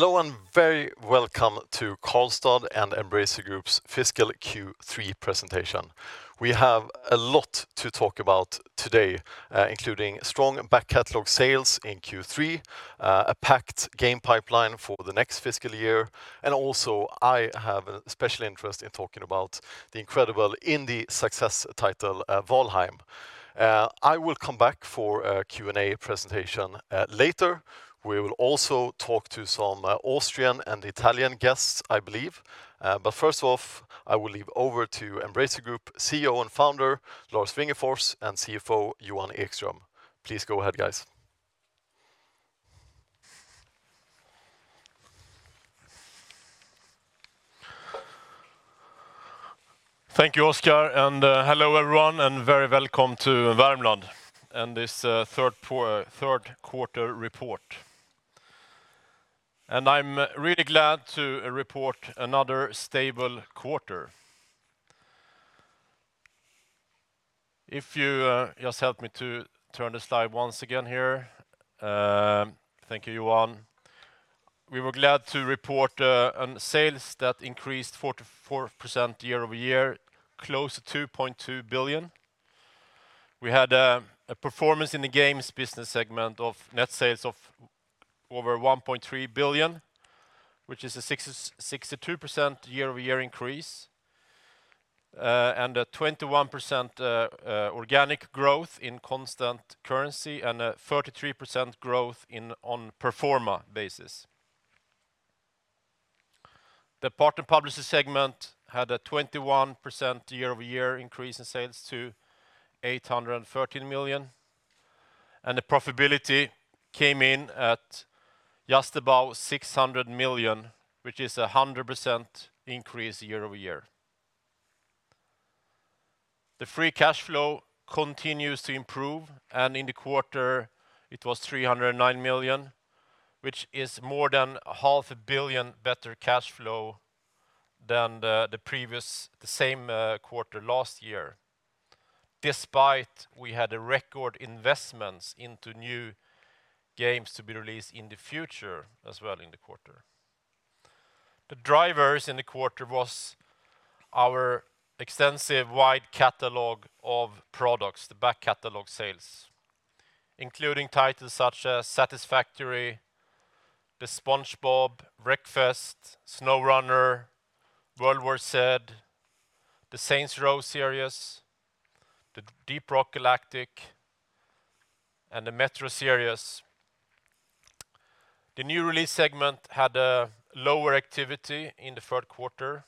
Hello and very welcome to Karlstad and Embracer Group's Fiscal Q3 Presentation. We have a lot to talk about today, including strong back-catalog sales in Q3, a packed game pipeline for the next fiscal year, and also, I have a special interest in talking about the incredible indie success title, Valheim. I will come back for a Q&A presentation later. We will also talk to some Austrian and Italian guests, I believe. First off, I will leave over to Embracer Group CEO and founder, Lars Wingefors, and CFO Johan Ekström, please go ahead, guys. Thank you, Oscar, hello, everyone, and very welcome to Värmland and this third quarter report. I'm really glad to report another stable quarter. If you just help me to turn the slide once again here. Thank you, Johan. We were glad to report on sales that increased 44% year-over-year, close to 2.2 billion. We had a performance in the Games Business Segment of net sales of over 1.3 billion, which is a 62% year-over-year increase, and a 21% organic growth in constant currency and a 33% growth on pro forma basis. The Partner Publishing Segment had a 21% year-over-year increase in sales to 813 million, and the profitability came in at just about 600 million, which is 100% increase year-over-year. The free cash flow continues to improve. In the quarter it was 309 million, which is more than half a billion better cash flow than the same quarter last year, despite we had record investments into new games to be released in the future as well in the quarter. The drivers in the quarter was our extensive wide catalog of products, the back-catalog sales, including titles such as Satisfactory, the SpongeBob, Wreckfest, SnowRunner, World War Z, the Saints Row series, the Deep Rock Galactic, and the Metro series. The new release segment had a lower activity in the third quarter.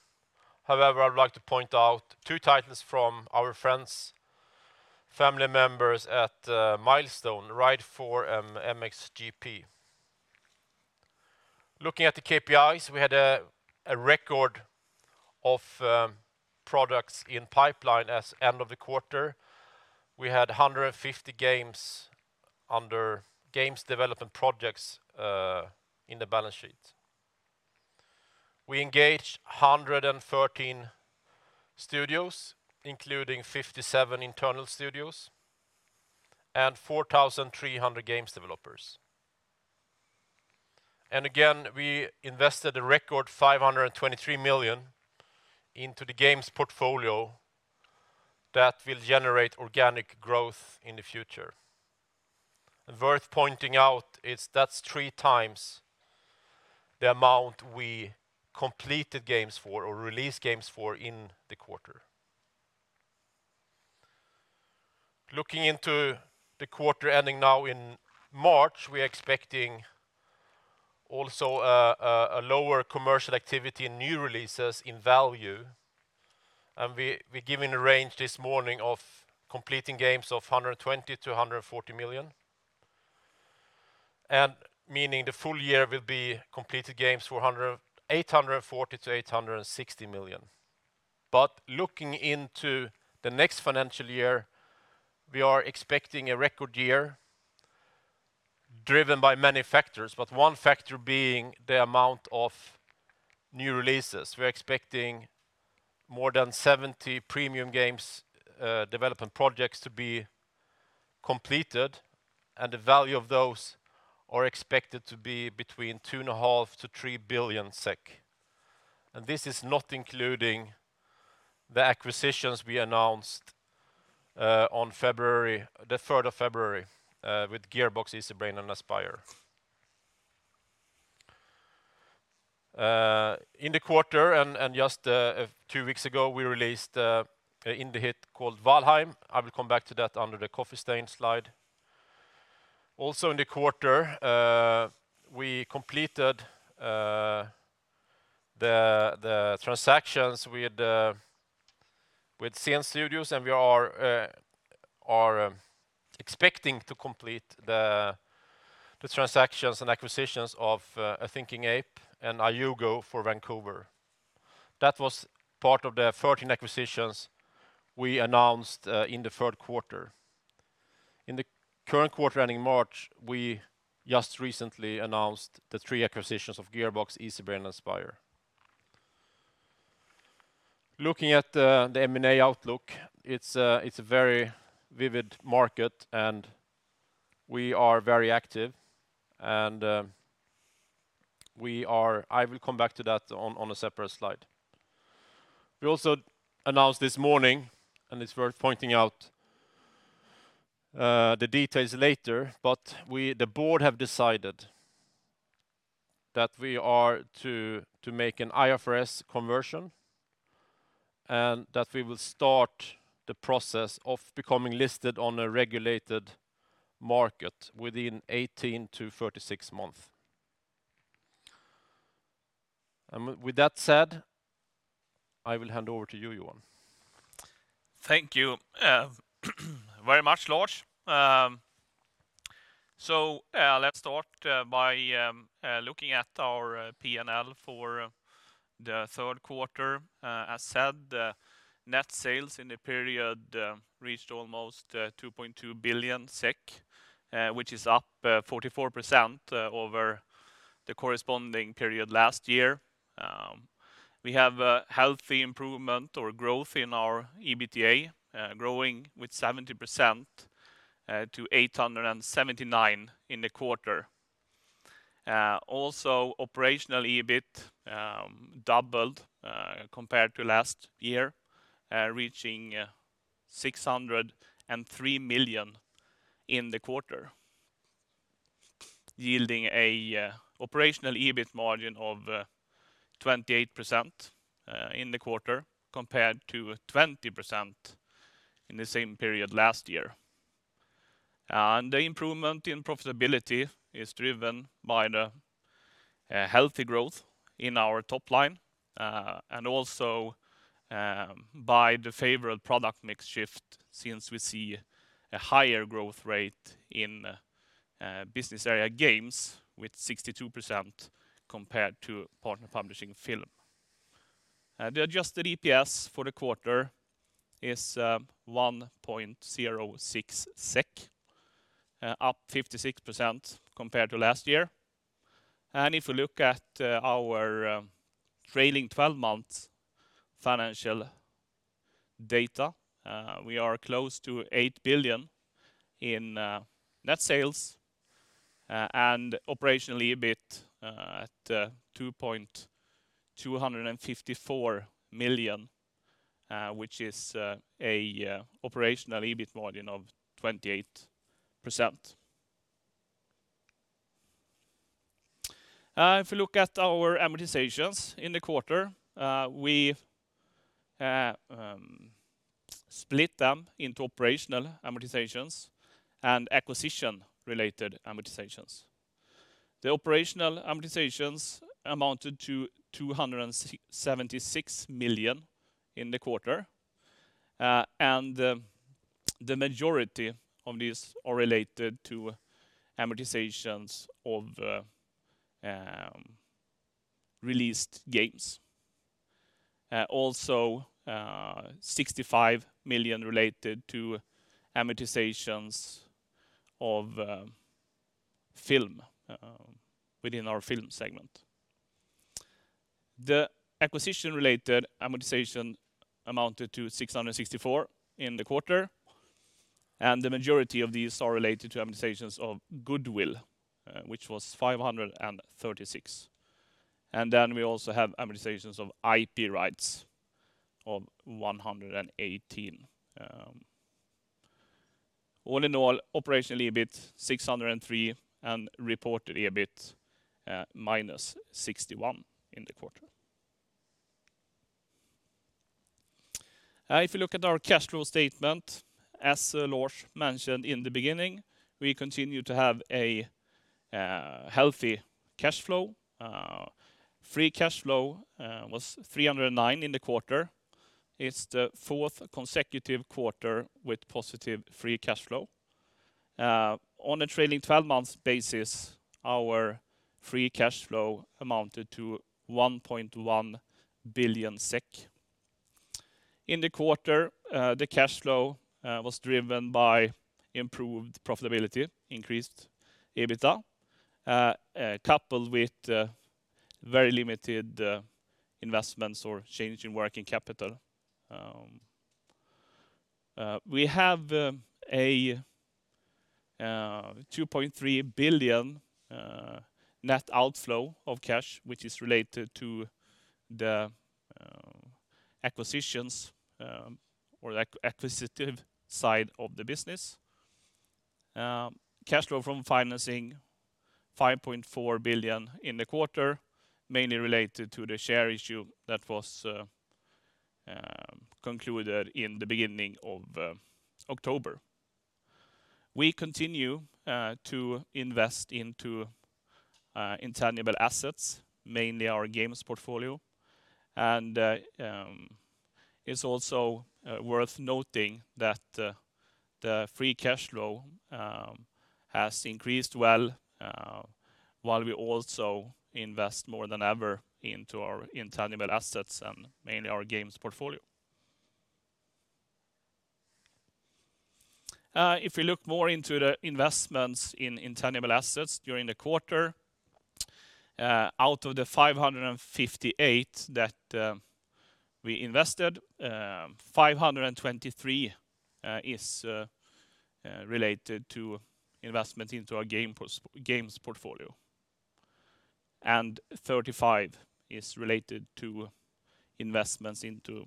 However, I would like to point out two titles from our friends, family members at Milestone, Ride 4 and MXGP. Looking at the KPIs, we had a record of products in pipeline as end of the quarter. We had 150 games under games development projects in the balance sheet. We engaged 113 studios, including 57 internal studios and 4,300 games developers. Again, we invested a record 523 million into the games portfolio that will generate organic growth in the future. Worth pointing out is that's three times the amount we completed games for or released games for in the quarter. Looking into the quarter ending now in March, we're expecting also a lower commercial activity in new releases in value, we're giving a range this morning of completing games of 120 million-140 million, meaning the full year will be completed games for 840 million-860 million. Looking into the next financial year, we are expecting a record year driven by many factors, but one factor being the amount of new releases. We're expecting more than 70 premium games development projects to be completed, the value of those are expected to be between 2.5 billion-3 billion SEK. This is not including the acquisitions we announced on the 3rd of February with Gearbox, Easybrain, and Aspyr. In the quarter and just two weeks ago, we released a indie hit called Valheim. I will come back to that under the Coffee Stain slide. Also in the quarter, we completed the transactions with Coffee Stain Studios, and we are expecting to complete the transactions and acquisitions of A Thinking Ape and IUGO for Vancouver. That was part of the 13 acquisitions we announced in the third quarter. In the current quarter ending in March, we just recently announced the three acquisitions of Gearbox, Easybrain, and Aspyr. Looking at the M&A outlook, it's a very vivid market and we are very active, and I will come back to that on a separate slide. We also announced this morning, and it's worth pointing out the details later. The board have decided that we are to make an IFRS conversion and that we will start the process of becoming listed on a regulated market within 18-36 months. With that said, I will hand over to you, Johan. Thank you very much, Lars. Let's start by looking at our P&L for the third quarter. As said, net sales in the period reached almost 2.2 billion SEK, which is up 44% over the corresponding period last year. We have a healthy improvement or growth in our EBITDA, growing with 70% to 879 million in the quarter. Operational EBIT doubled compared to last year, reaching 603 million in the quarter, yielding an operational EBIT margin of 28% in the quarter, compared to 20% in the same period last year. The improvement in profitability is driven by the healthy growth in our top line, and also by the favored product mix shift since we see a higher growth rate in business area games with 62% compared to partner publishing film. The adjusted EPS for the quarter is 1.06 SEK, up 56% compared to last year. If you look at our trailing 12 months financial data, we are close to 8 billion in net sales and operational EBIT at 2,254 million which is a operational EBIT margin of 28%. If you look at our amortizations in the quarter, we split them into operational amortizations and acquisition-related amortizations. The operational amortizations amounted to 276 million in the quarter. The majority of these are related to amortizations of released games. Also, 65 million related to amortizations of film within our film segment. The acquisition-related amortization amounted to 664 million in the quarter, the majority of these are related to amortizations of goodwill which was 536 million. We also have amortizations of IP rights of 118 million. All in all, operational EBIT 603 million and reported EBIT -61 million in the quarter. If you look at our cash flow statement, as Lars mentioned in the beginning, we continue to have a healthy cash flow. Free cash flow was 309 million in the quarter. It's the fourth consecutive quarter with positive free cash flow. On a trailing 12 months basis, our free cash flow amounted to 1.1 billion SEK. In the quarter, the cash flow was driven by improved profitability, increased EBITDA, coupled with very limited investments or change in working capital. We have a 2.3 billion net outflow of cash, which is related to the acquisitions or acquisitive side of the business. Cash flow from financing 5.4 billion in the quarter, mainly related to the share issue that was concluded in the beginning of October. We continue to invest into intangible assets, mainly our games portfolio. It's also worth noting that the free cash flow has increased well while we also invest more than ever into our intangible assets and mainly our games portfolio. If we look more into the investments in intangible assets during the quarter, out of the 558 million that we invested, 523 million is related to investment into our games portfolio, and 35 million is related to investments into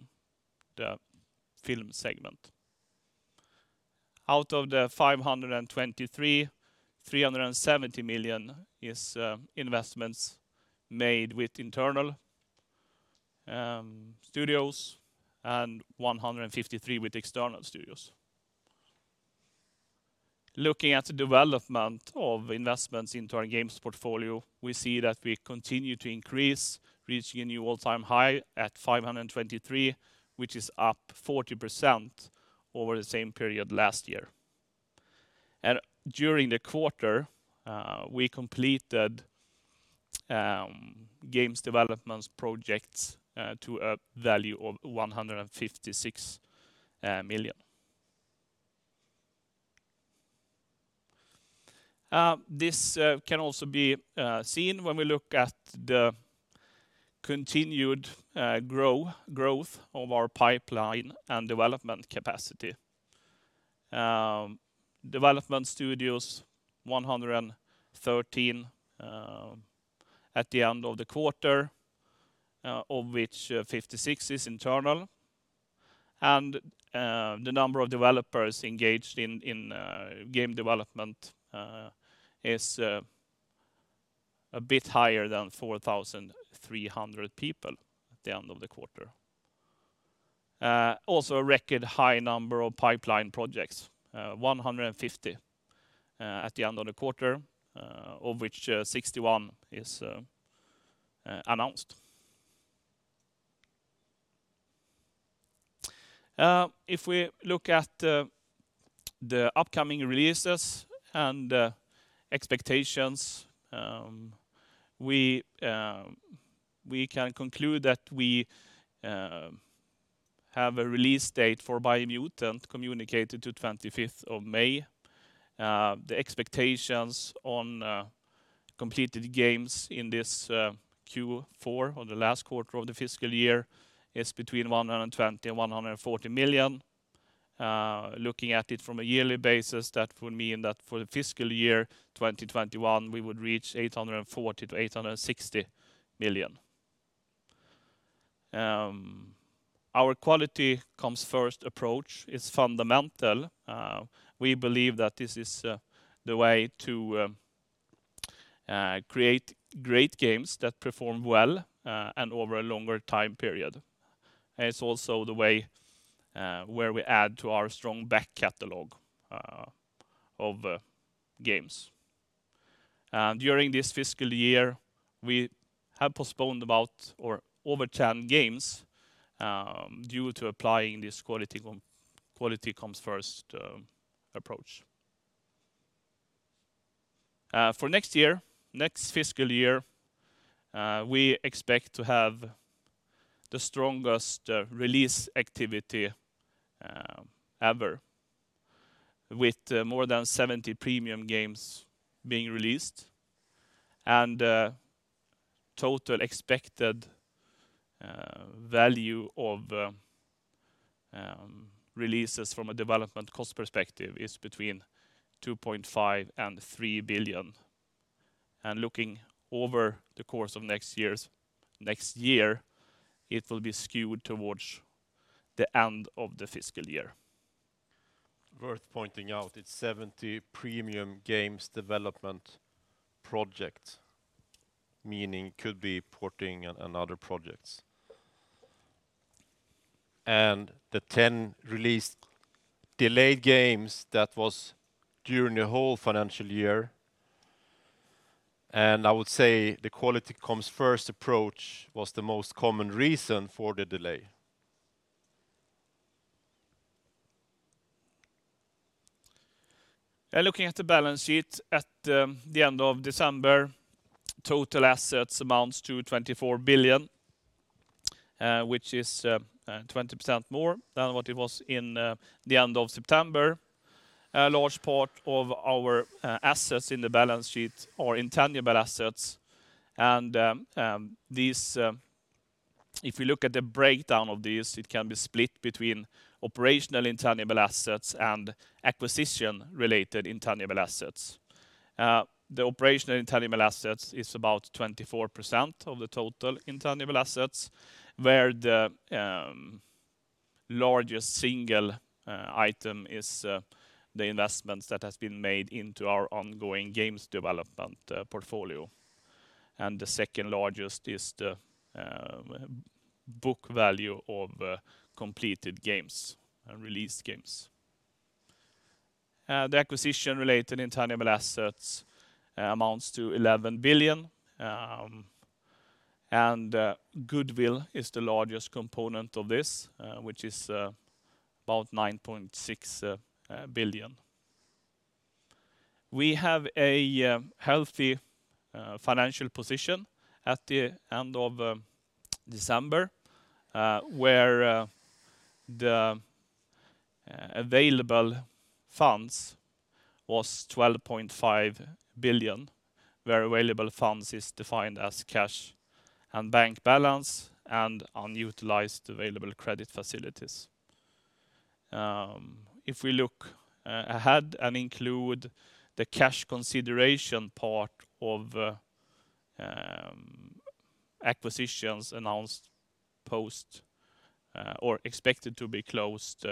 the film segment. Out of the 523 million, 370 million is investments made with internal studios and 153 million with external studios. Looking at the development of investments into our games portfolio, we see that we continue to increase, reaching a new all-time high at 523 million, which is up 40% over the same period last year. During the quarter, we completed games developments projects to a value of 156 million. This can also be seen when we look at the continued growth of our pipeline and development capacity. Development studios, 113 at the end of the quarter, of which 56 is internal. The number of developers engaged in game development is a bit higher than 4,300 people at the end of the quarter. Also, a record high number of pipeline projects, 150 at the end of the quarter, of which 61 is announced. If we look at the upcoming releases and expectations, we can conclude that we have a release date for Biomutant communicated to 25th of May. The expectations on completed games in this Q4 or the last quarter of the fiscal year is between 120 million and 140 million. Looking at it from a yearly basis, that would mean that for the fiscal year 2021, we would reach 840 million-860 million. Our quality comes first approach is fundamental. We believe that this is the way to create great games that perform well and over a longer time period. It is also the way where we add to our strong back catalog of games. During this fiscal year, we have postponed about or over 10 games due to applying this quality comes first approach. For next year, next fiscal year, we expect to have the strongest release activity ever with more than 70 premium games being released and total expected value of releases from a development cost perspective is between 2.5 billion and 3 billion. Looking over the course of next year, it will be skewed towards the end of the fiscal year. Worth pointing out, it's 70 premium games development projects, meaning could be porting and other projects. The 10 delayed games that was during the whole financial year, and I would say the quality comes first approach was the most common reason for the delay. Looking at the balance sheet at the end of December, total assets amounts to 24 billion which is 20% more than what it was in the end of September. A large part of our assets in the balance sheet are intangible assets. If you look at the breakdown of these, it can be split between operational intangible assets and acquisition-related intangible assets. The operational intangible assets is about 24% of the total intangible assets, where the largest single item is the investments that has been made into our ongoing games development portfolio. The second largest is the book value of completed games and released games. The acquisition-related intangible assets amounts to SEK 11 billion. Goodwill is the largest component of this, which is about 9.6 billion. We have a healthy financial position at the end of December, where the available funds was 12.5 billion, where available funds is defined as cash and bank balance and unutilized available credit facilities. If we look ahead and include the cash consideration part of acquisitions announced post or expected to be closed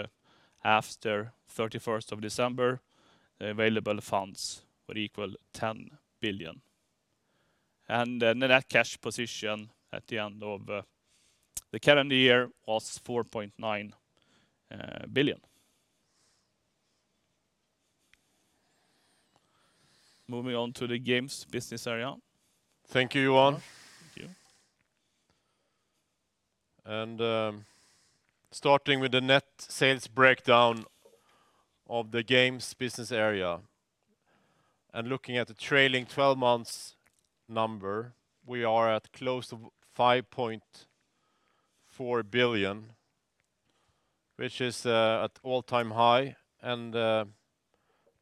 after 31st of December, the available funds would equal 10 billion. The net cash position at the end of the current year was SEK 4.9 billion. Moving on to the Games business area. Thank you, Johan. Thank you. Starting with the net sales breakdown of the Games business area. Looking at the trailing 12 months number, we are at close to 5.4 billion, which is at all-time high,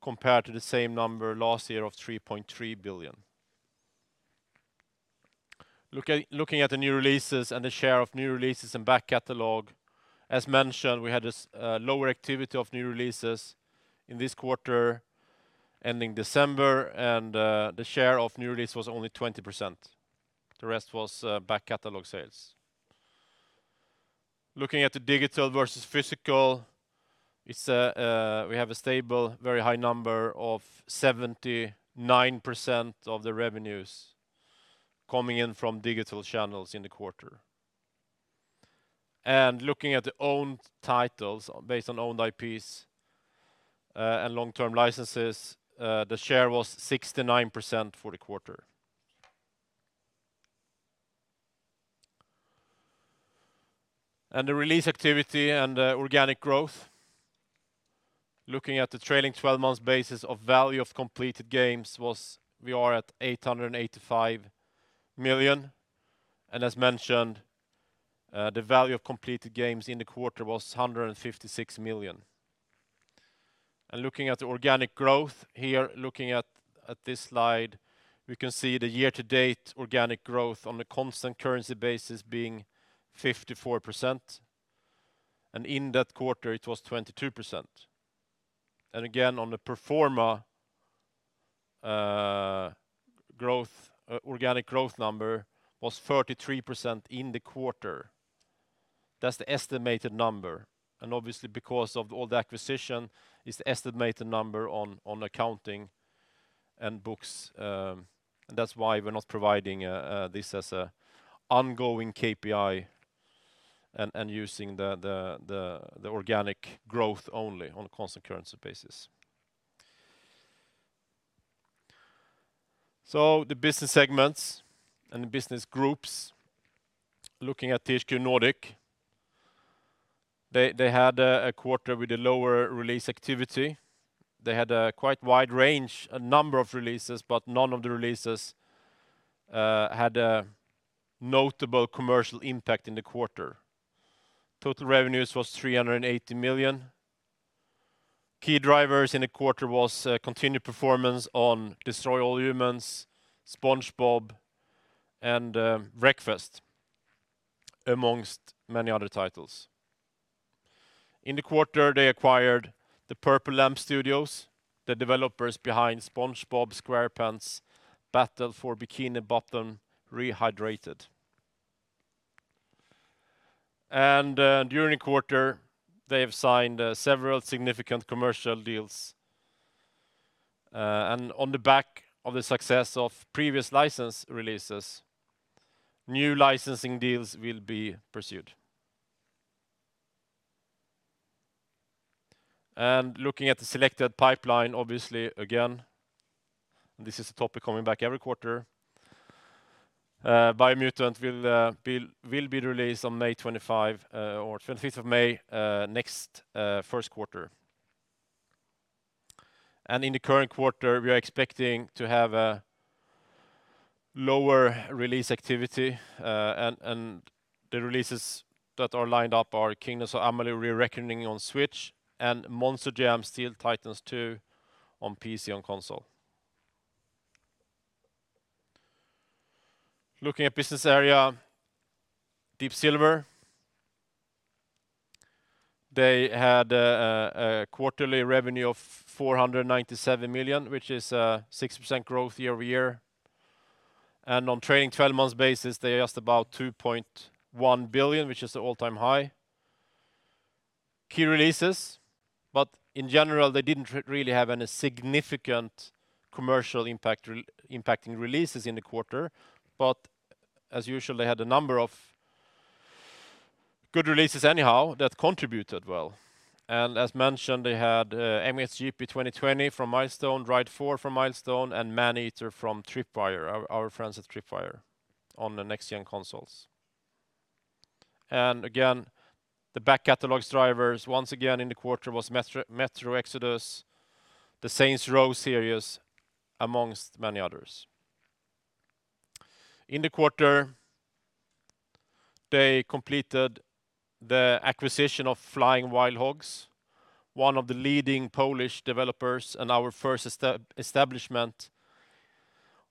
compared to the same number last year of 3.3 billion. Looking at the new releases and the share of new releases and back catalog, as mentioned, we had a lower activity of new releases in this quarter ending December, and the share of new release was only 20%. The rest was back catalog sales. Looking at the digital versus physical, we have a stable, very high number of 79% of the revenues coming in from digital channels in the quarter. Looking at the owned titles based on owned IPs and long-term licenses, the share was 69% for the quarter. The release activity and organic growth. Looking at the trailing 12 months basis of value of completed games, we are at 885 million. As mentioned, the value of completed games in the quarter was 156 million. Looking at the organic growth here, looking at this slide, we can see the year-to-date organic growth on a constant currency basis being 54%. In that quarter, it was 22%. Again, on the pro forma organic growth number was 33% in the quarter. That's the estimated number. Obviously, because of all the acquisition, it's the estimated number on accounting and books. That's why we're not providing this as a ongoing KPI and using the organic growth only on a constant currency basis. The business segments and the business groups, looking at THQ Nordic, they had a quarter with a lower release activity. They had a quite wide range, a number of releases, but none of the releases had a notable commercial impact in the quarter. Total revenues was 380 million. Key drivers in the quarter was continued performance on Destroy All Humans!, SpongeBob, and Wreckfest, amongst many other titles. In the quarter, they acquired the Purple Lamp Studios, the developers behind SpongeBob SquarePants: Battle for Bikini Bottom Rehydrated. During the quarter, they have signed several significant commercial deals. On the back of the success of previous license releases, new licensing deals will be pursued. Looking at the selected pipeline, obviously, again, this is a topic coming back every quarter. Biomutant will be released on May 25 or 25th of May next first quarter. In the current quarter, we are expecting to have a lower release activity, and the releases that are lined up are "Kingdoms of Amalur: Re-Reckoning" on Switch and "Monster Jam Steel Titans 2" on PC and console. Looking at business area Deep Silver, they had a quarterly revenue of 497 million, which is a 6% growth year-over-year. On trailing 12 months basis, they are just about 2.1 billion, which is an all-time high. But in general, they didn't really have any significant commercial impacting releases in the quarter. As usual, they had a number of good releases anyhow that contributed well. As mentioned, they had "MXGP 2020" from Milestone, "Ride 4" from Milestone, and "Maneater" from Tripwire, our friends at Tripwire on the next-gen consoles. The back-catalog drivers once again in the quarter was Metro Exodus, the Saints Row series, amongst many others. In the quarter, they completed the acquisition of Flying Wild Hog, one of the leading Polish developers and our first establishment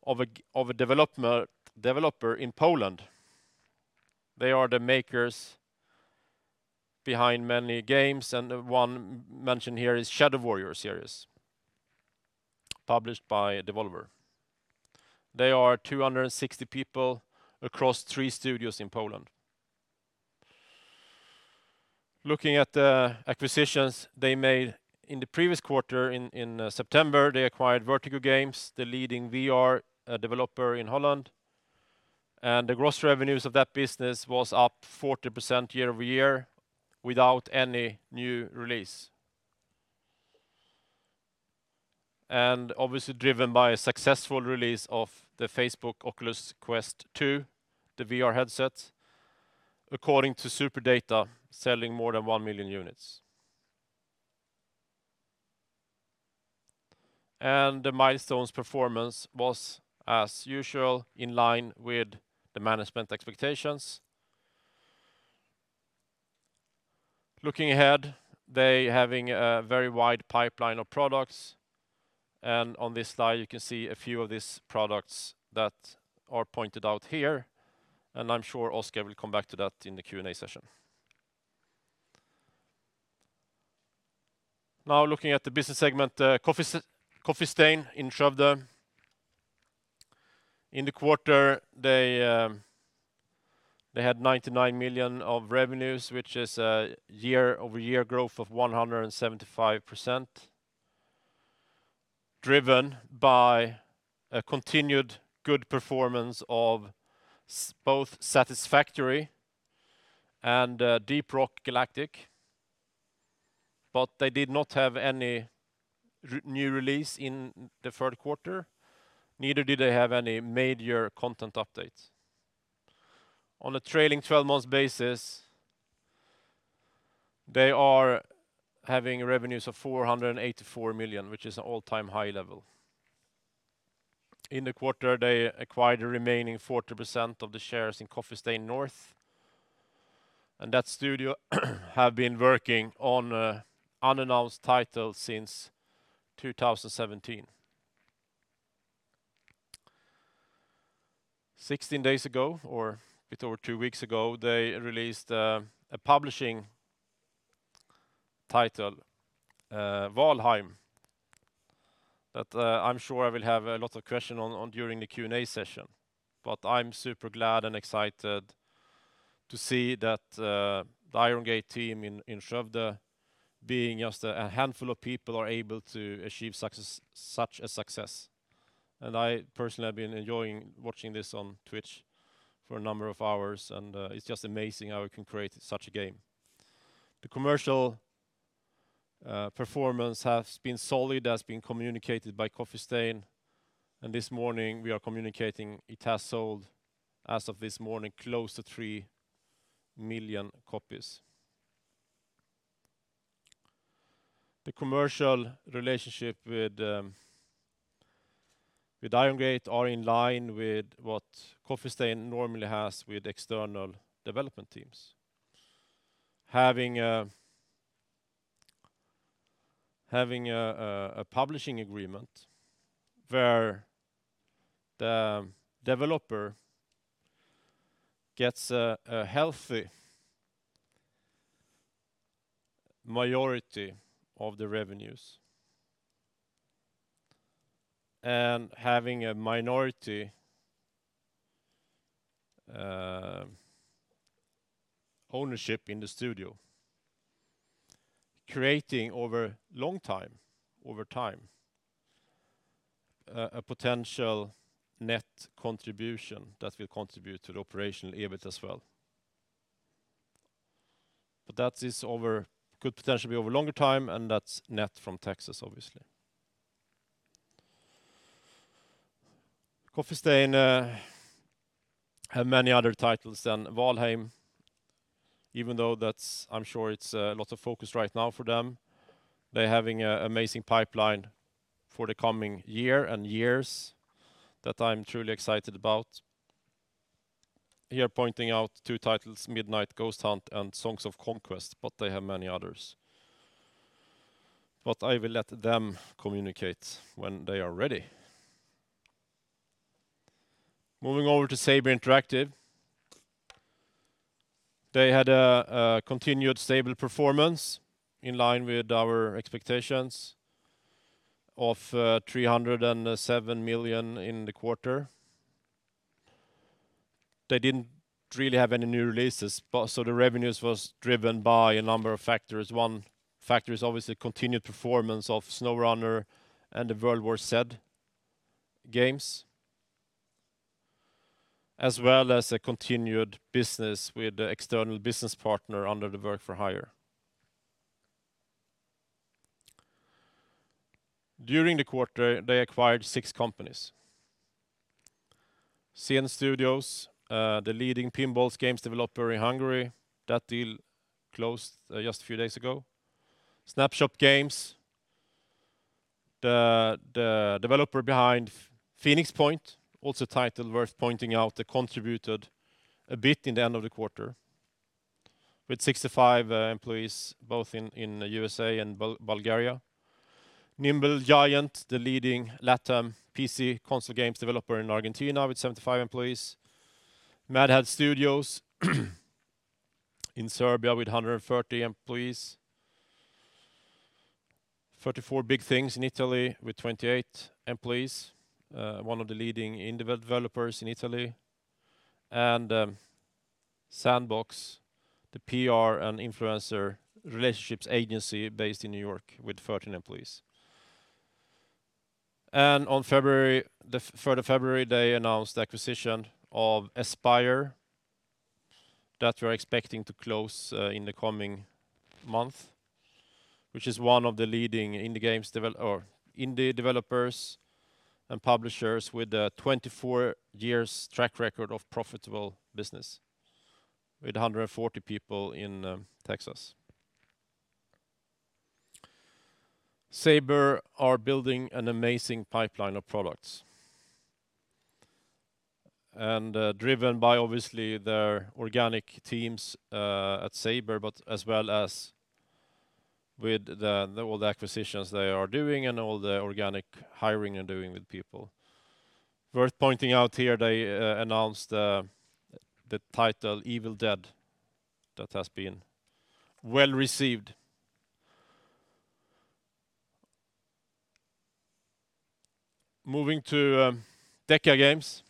of a developer in Poland. They are the makers behind many games, the one mentioned here is Shadow Warrior series, published by Devolver. They are 260 people across three studios in Poland. Looking at the acquisitions they made in the previous quarter in September, they acquired Vertigo Games, the leading VR developer in Holland. The gross revenues of that business was up 40% year-over-year without any new release. Obviously driven by a successful release of the Facebook Oculus Quest 2, the VR headset, according to SuperData, selling more than one million units. The milestones performance was, as usual, in line with the management expectations. Looking ahead, they having a very wide pipeline of products. On this slide, you can see a few of these products that are pointed out here, and I'm sure Oscar will come back to that in the Q&A session. Now looking at the business segment, Coffee Stain in Skövde. In the quarter, they had 99 million of revenues, which is a year-over-year growth of 175%, driven by a continued good performance of both "Satisfactory" and "Deep Rock Galactic." They did not have any new release in the third quarter, neither did they have any major content updates. On a trailing 12 months basis, they are having revenues of 484 million, which is an all-time high level. In the quarter, they acquired the remaining 40% of the shares in Coffee Stain North. That studio have been working on a unannounced title since 2017. 16 days ago, or a bit over two weeks ago, they released a publishing title, "Valheim", that I'm sure I will have a lot of question on during the Q&A session. I'm super glad and excited to see that the Iron Gate team in Skövde, being just a handful of people, are able to achieve such a success. I personally have been enjoying watching this on Twitch for a number of hours, and it's just amazing how we can create such a game. The commercial performance has been solid, as been communicated by Coffee Stain, and this morning we are communicating it has sold, as of this morning, close to 3 million copies. The commercial relationship with Iron Gate are in line with what Coffee Stain normally has with external development teams. Having a publishing agreement where the developer gets a healthy majority of the revenues and having a minority ownership in the studio, creating over time a potential net contribution that will contribute to the operational EBIT as well. That could potentially be over longer time, and that's net from taxes, obviously. Coffee Stain have many other titles than Valheim, even though I'm sure it's a lot of focus right now for them. They're having an amazing pipeline for the coming year and years that I'm truly excited about. Here pointing out two titles, Midnight Ghost Hunt and Songs of Conquest, but they have many others. I will let them communicate when they are ready. Moving over to Saber Interactive. They had a continued stable performance in line with our expectations of 307 million in the quarter. They didn't really have any new releases, the revenues was driven by a number of factors. One factor is obviously continued performance of SnowRunner and the World War Z games, as well as a continued business with the external business partner under the work for hire. During the quarter, they acquired six companies. Zen Studios, the leading pinball games developer in Hungary. That deal closed just a few days ago. Snapshot Games, the developer behind Phoenix Point, also title worth pointing out that contributed a bit in the end of the quarter, with 65 employees both in USA and Bulgaria. Nimble Giant, the leading LatAm PC console games developer in Argentina with 75 employees. Mad Head Games in Serbia with 130 employees. 34BigThings in Italy with 28 employees, one of the leading indie developers in Italy, Sandbox, the PR and influencer relationships agency based in New York with 13 employees. On the third of February, they announced the acquisition of Aspyr that we're expecting to close in the coming month, which is one of the leading indie developers and publishers with a 24 years track record of profitable business with 140 people in Texas. Saber are building an amazing pipeline of products and driven by obviously their organic teams at Saber, but as well as with all the acquisitions they are doing and all the organic hiring they're doing with people. Worth pointing out here, they announced the title "Evil Dead" that has been well-received. Moving to DECA Games,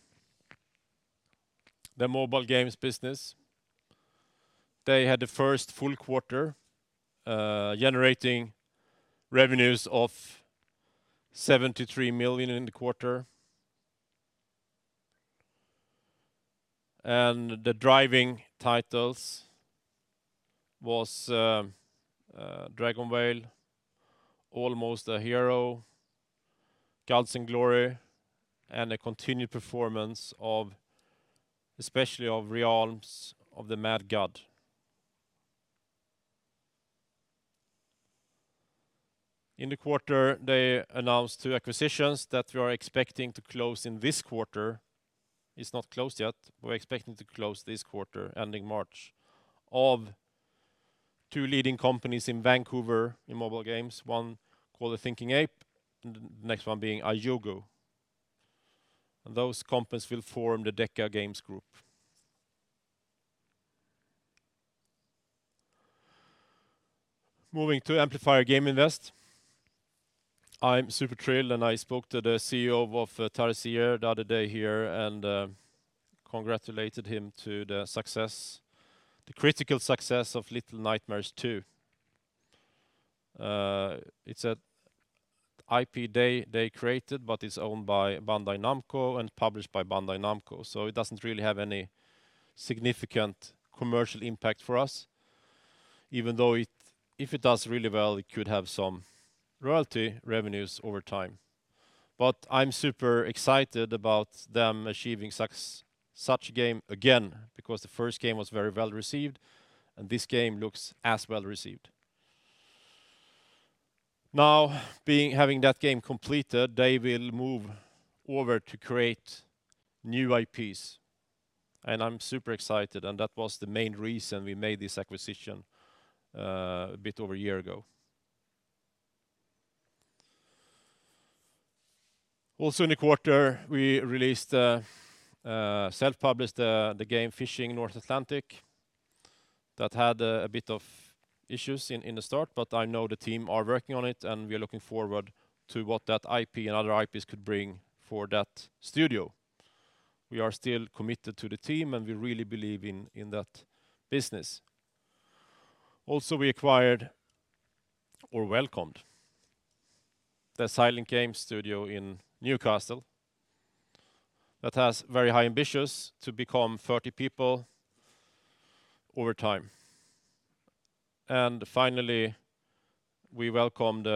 the mobile games business. They had the first full quarter generating revenues of 73 million in the quarter. The driving titles was "DragonVale," "Almost a Hero," "Gods of Glory," and a continued performance especially of "Realm of the Mad God." In the quarter, they announced two acquisitions that we are expecting to close in this quarter. It's not closed yet. We're expecting to close this quarter ending March of two leading companies in Vancouver in mobile games, one called A Thinking Ape, and the next one being IUGO. Those companies will form the DECA Games group. Moving to Amplifier Game Invest. I'm super thrilled. I spoke to the CEO of Tarsier the other day here and congratulated him to the critical success of Little Nightmares II. It's an IP they created, but it's owned by Bandai Namco and published by Bandai Namco, so it doesn't really have any significant commercial impact for us, even though if it does really well, it could have some royalty revenues over time. I'm super excited about them achieving such game again because the first game was very well-received, and this game looks as well-received. Now, having that game completed, they will move over to create new IPs, and I'm super excited, and that was the main reason we made this acquisition a bit over a year ago. Also in the quarter, we released the self-published the game "Fishing: North Atlantic" that had a bit of issues in the start, but I know the team are working on it, and we are looking forward to what that IP and other IPs could bring for that studio. We are still committed to the team, and we really believe in that business. Also, we acquired or welcomed the Silent Games Studio in Newcastle that has very high ambitions to become 30 people over time. Finally, we welcomed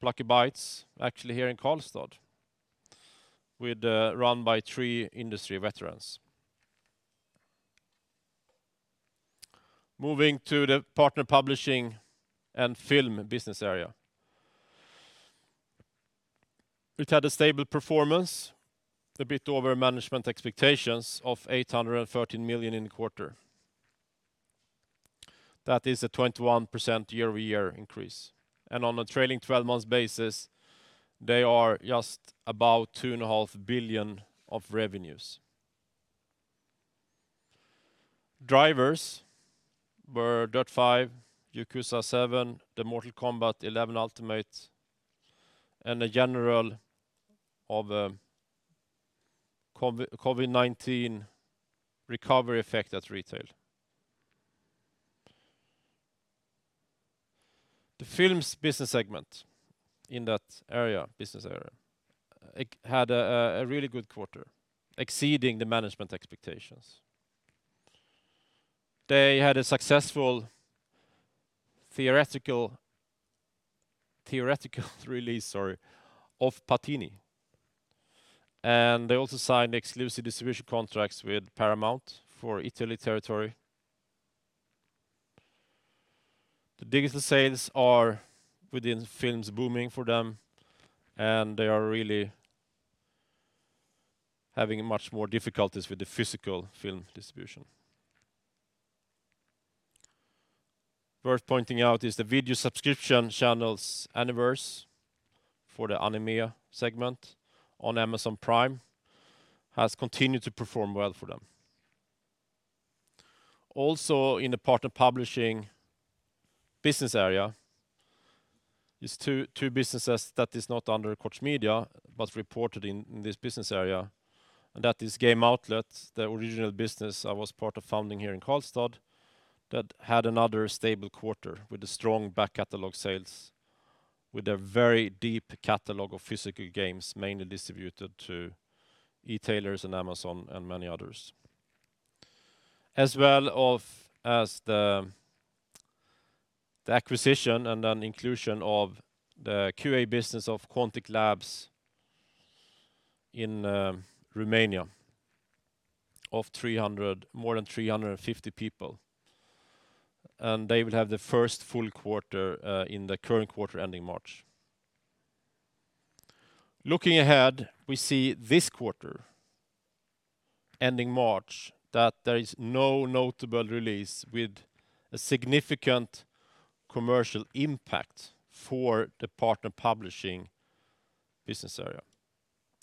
Plucky Bytes actually here in Karlstad, run by three industry veterans. Moving to the partner publishing and film business area, which had a stable performance, a bit over management expectations of 813 million in the quarter. That is a 21% year-over-year increase. On a trailing 12 months basis, they are just about 2.5 billion of revenues. Drivers were Dirt 5, Yakuza 7, the Mortal Kombat 11 Ultimate, and a general COVID-19 recovery effect at retail. The Films Business Segment in that business area had a really good quarter, exceeding the management expectations. They had a successful theoretical release of Parasite, and they also signed exclusive distribution contracts with Paramount for Italy territory. The digital sales are within films booming for them, and they are really having much more difficulties with the physical film distribution. Worth pointing out is the video subscription channels aniverse for the anime segment on Amazon Prime has continued to perform well for them. In the partner publishing business area is two businesses that is not under Koch Media, but reported in this business area, and that is Game Outlet, the original business I was part of founding here in Karlstad, that had another stable quarter with a strong back catalog sales, with a very deep catalog of physical games, mainly distributed to e-tailers and Amazon and many others. The acquisition and then inclusion of the QA business of Quantic Lab in Romania of more than 350 people, and they will have the first full quarter in the current quarter ending March. Looking ahead, we see this quarter ending March that there is no notable release with a significant commercial impact for the partner publishing business area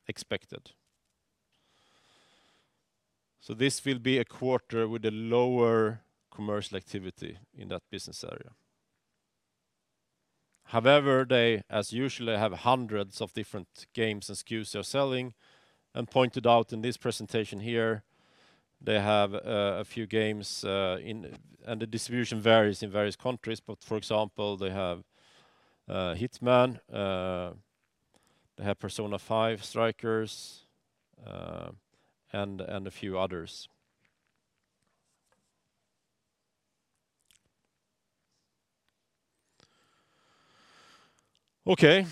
expected. This will be a quarter with a lower commercial activity in that business area. However, they, as usual, have hundreds of different games and SKUs they're selling, pointed out in this presentation here, they have a few games, and the distribution varies in various countries. For example, they have Hitman, they have Persona 5 Strikers, and a few others. Okay,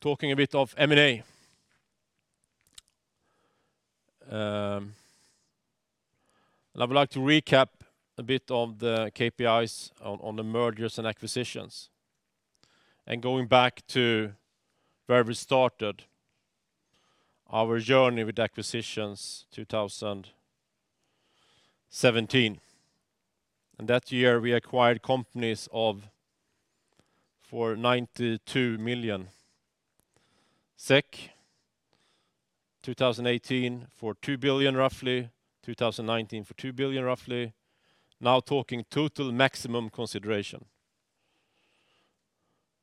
talking a bit of M&A. I would like to recap a bit of the KPIs on the mergers and acquisitions. Going back to where we started our journey with acquisitions 2017, that year we acquired companies for 92 million SEK. 2018 for 2 billion, roughly. 2019 for 2 billion, roughly. Now talking total maximum consideration.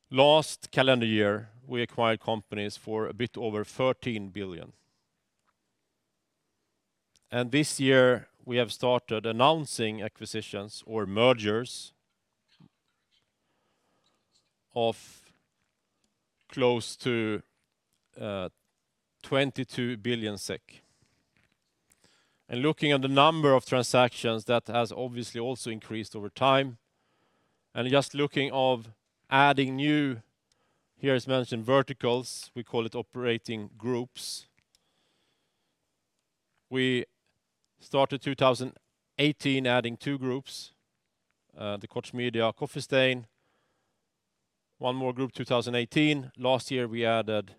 Last calendar year, we acquired companies for a bit over 13 billion. This year, we have started announcing acquisitions or mergers of close to 22 billion SEK. Looking at the number of transactions, that has obviously also increased over time. Just looking at adding new, here as mentioned, verticals, we call it operating groups. We started 2018 adding two groups, the Koch Media, Coffee Stain. One more group 2018. Last year, we added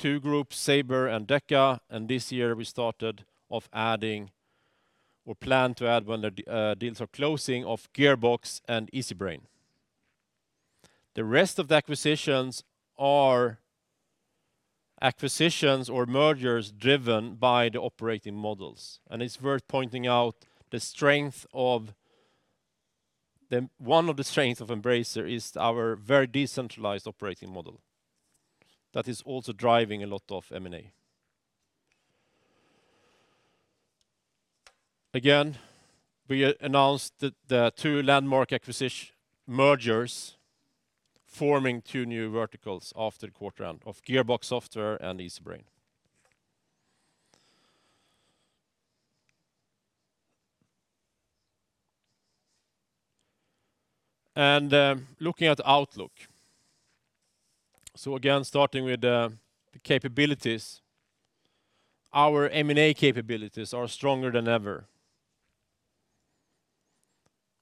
two groups, Saber and Deca. This year we started off adding or plan to add when the deals are closing for Gearbox and Easybrain. The rest of the acquisitions are acquisitions or mergers driven by the operating models. It's worth pointing out one of the strengths of Embracer is our very decentralized operating model. That is also driving a lot of M&A. Again, we announced the two landmark mergers forming two new verticals after the quarter end of Gearbox Software and Easybrain. Looking at the outlook. Again, starting with the capabilities. Our M&A capabilities are stronger than ever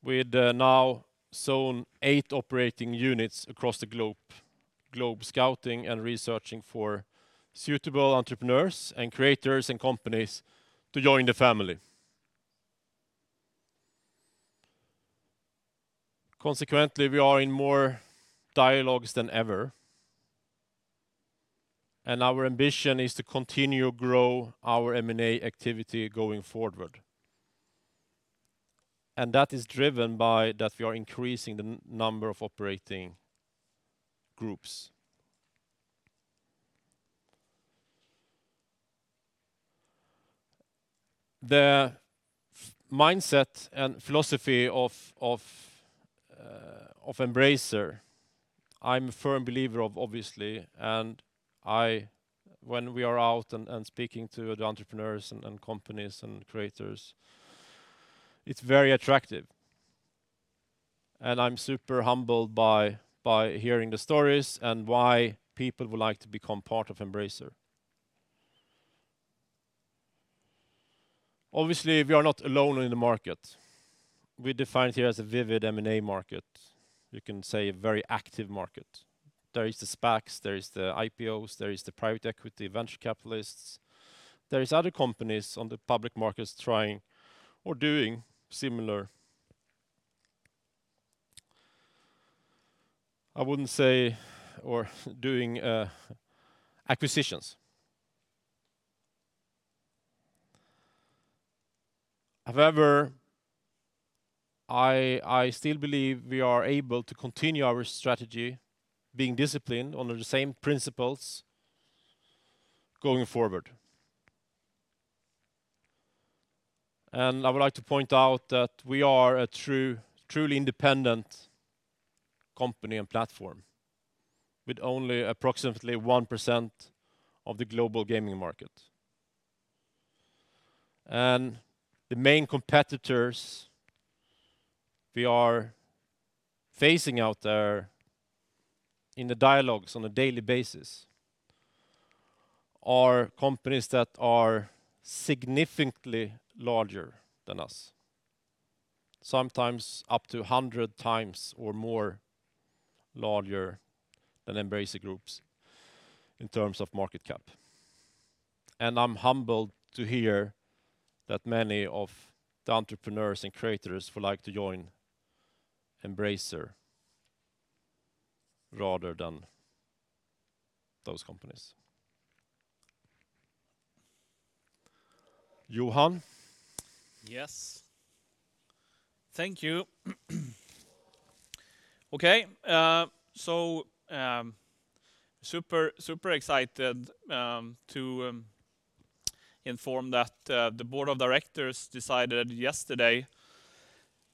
with now zone eight operating units across the globe scouting and researching for suitable entrepreneurs and creators and companies to join the family. Consequently, we are in more dialogues than ever, and our ambition is to continue to grow our M&A activity going forward. That is driven by that we are increasing the number of operating groups. The mindset and philosophy of Embracer, I'm a firm believer of, obviously, and when we are out and speaking to the entrepreneurs and companies and creators, it's very attractive, and I'm super humbled by hearing the stories and why people would like to become part of Embracer. Obviously, we are not alone in the market. We define it here as a vivid M&A market. You can say a very active market. There is the SPACs, there is the IPOs, there is the private equity, venture capitalists. There is other companies on the public markets trying or doing similar acquisitions. However, I still believe we are able to continue our strategy, being disciplined under the same principles going forward. I would like to point out that we are a truly independent company and platform with only approximately 1% of the global gaming market. The main competitors we are facing out there in the dialogues on a daily basis are companies that are significantly larger than us, sometimes up to 100 times or more larger than Embracer Group's in terms of market cap. I'm humbled to hear that many of the entrepreneurs and creators would like to join Embracer rather than those companies. Johan? Yes, thank you. Okay, super excited to inform that the board of directors decided yesterday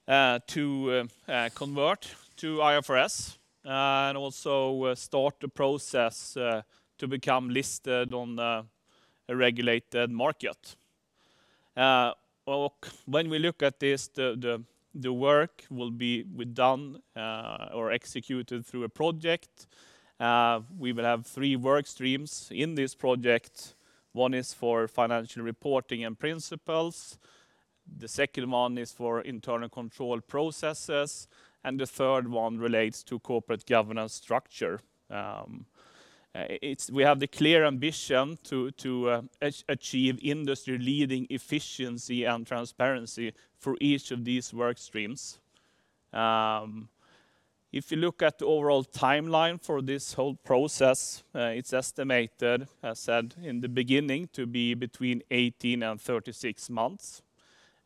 to convert to IFRS, and also start the process to become listed on a regulated market. When we look at this, the work will be done or executed through a project. We will have three work streams in this project. One is for financial reporting and principles. The second one is for internal control processes, and the third relates to corporate governance structure. We have the clear ambition to achieve industry-leading efficiency and transparency for each of these work streams. If you look at the overall timeline for this whole process, it's estimated, as said in the beginning, to be between 18 and 36 months.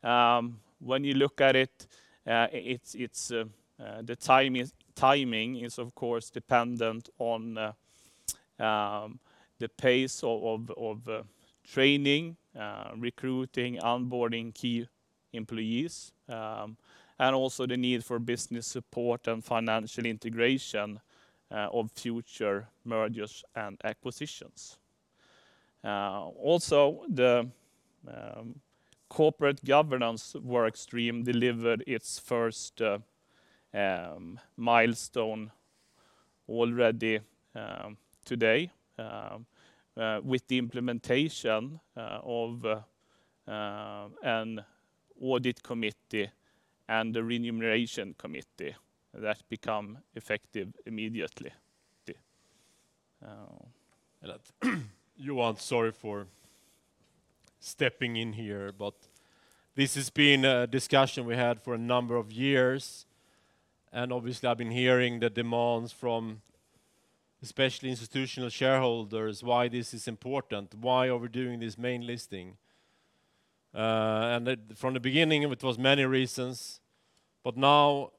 When you look at it, the timing is, of course, dependent on the pace of training, recruiting, onboarding key employees, and also the need for business support and financial integration of future mergers and acquisitions. Also, the corporate governance work stream delivered its first milestone already today with the implementation of an audit committee and a remuneration committee that become effective immediately. Johan, sorry for stepping in here, this has been a discussion we had for a number of years. Obviously, I've been hearing the demands from especially institutional shareholders why this is important, why are we doing this main listing. From the beginning, it was many reasons. Now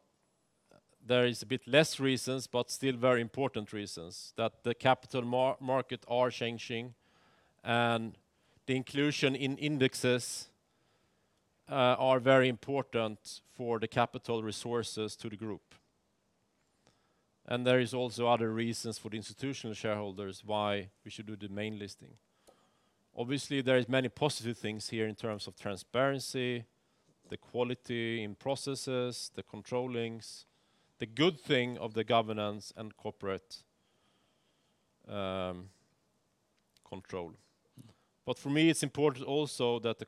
there is a bit less reasons, still very important reasons that the capital market are changing and the inclusion in indexes are very important for the capital resources to the group. There is also other reasons for the institutional shareholders why we should do the main listing. Obviously, there is many positive things here in terms of transparency, the quality in processes, the controlling's, the good thing of the governance and corporate control. For me, it's important also that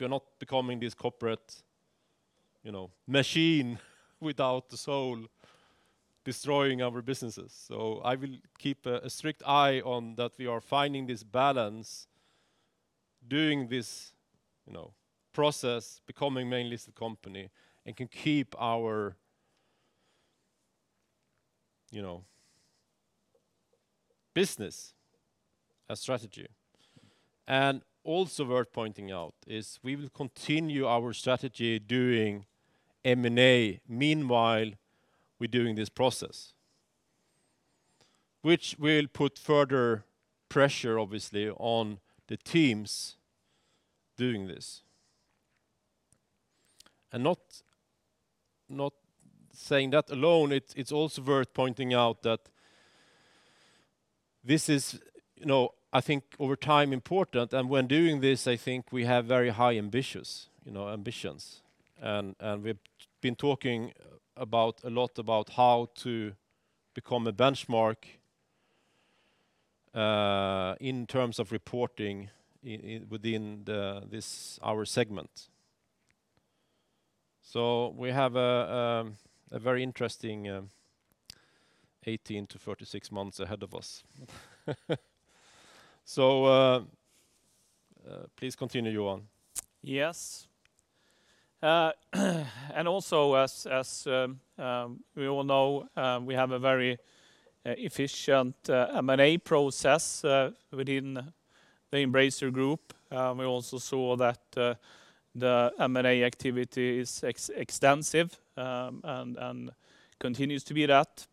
we're not becoming this corporate machine without the soul destroying our businesses. I will keep a strict eye on that we are finding this balance. Doing this process, becoming mainly as a company, and can keep our business a strategy. Also worth pointing out is we will continue our strategy doing M&A meanwhile we're doing this process, which will put further pressure, obviously, on the teams doing this. Not saying that alone, it's also worth pointing out that this is, I think, over time important, and when doing this, I think we have very high ambitions. We've been talking a lot about how to become a benchmark in terms of reporting within our segment. We have a very interesting 18-36 months ahead of us. Please continue, Johan. As we all know, we have a very efficient M&A process within the Embracer Group. The M&A activity is extensive and continues to be that.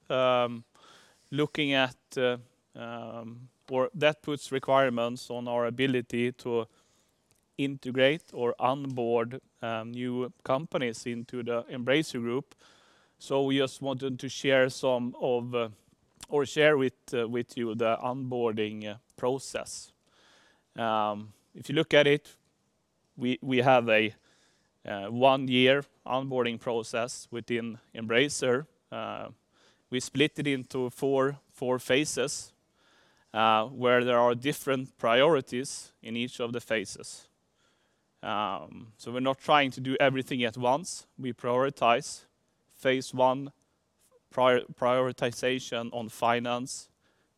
That puts requirements on our ability to integrate or onboard new companies into the Embracer Group. We just wanted to share with you the onboarding process. If you look at it, we have a one-year onboarding process within Embracer. We split it into four phases, where there are different priorities in each of the phases. We're not trying to do everything at once. We prioritize. Phase I, prioritization on finance,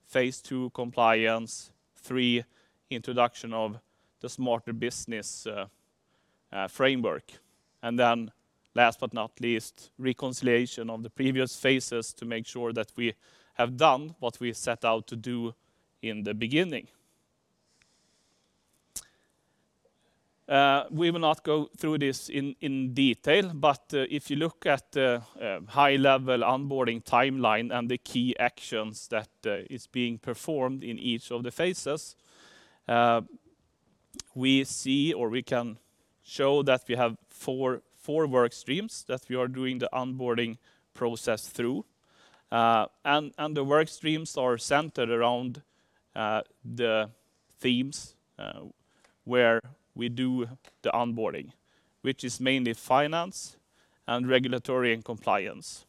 phase II, compliance, phase III, introduction of the smarter business framework, and then last but not least, reconciliation of the previous phases to make sure that we have done what we set out to do in the beginning. We will not go through this in detail, but if you look at the high-level onboarding timeline and the key actions that is being performed in each of the phases we see or we can show that we have four work streams that we are doing the onboarding process through. The work streams are centered around the themes where we do the onboarding, which is mainly finance and regulatory and compliance.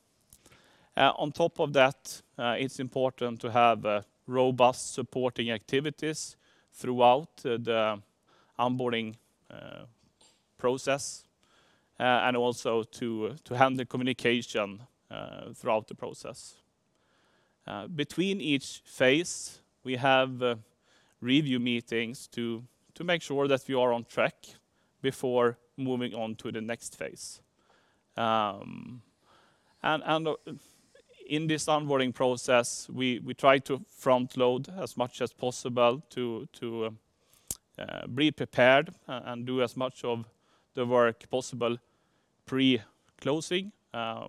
On top of that, it is important to have robust supporting activities throughout the onboarding process, and also to handle communication throughout the process. Between each phase, we have review meetings to make sure that we are on track before moving on to the next phase. In this onboarding process, we try to front-load as much as possible to be prepared and do as much of the work possible pre-closing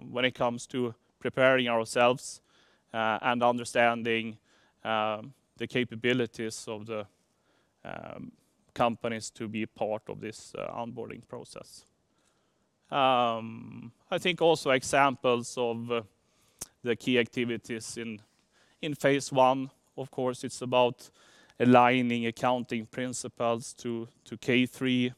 when it comes to preparing ourselves and understanding the capabilities of the companies to be a part of this onboarding process. I think also examples of the key activities in phase I, of course, it's about aligning accounting principles to K3,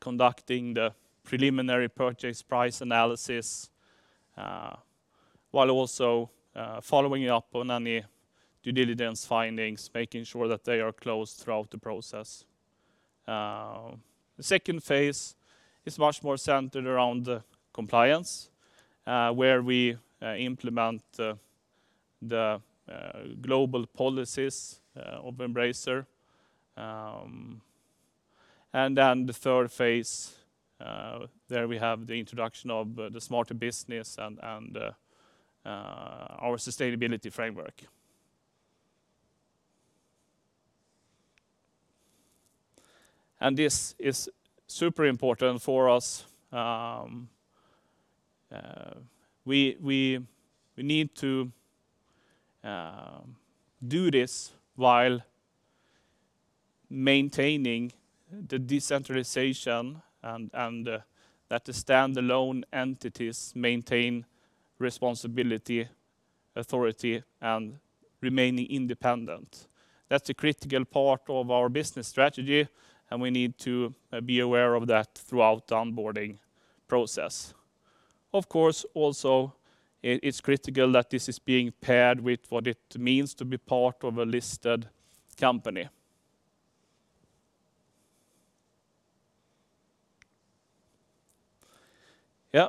conducting the preliminary purchase price analysis, while also following up on any due diligence findings, making sure that they are closed throughout the process. The second phase is much more centered around compliance, where we implement the global policies of Embracer. Then the third phase, there we have the introduction of the smarter business and our sustainability framework. This is super important for us. We need to do this while maintaining the decentralization and that the standalone entities maintain responsibility, authority and remaining independent. That's a critical part of our business strategy, and we need to be aware of that throughout the onboarding process. Of course, also it's critical that this is being paired with what it means to be part of a listed company. Yeah.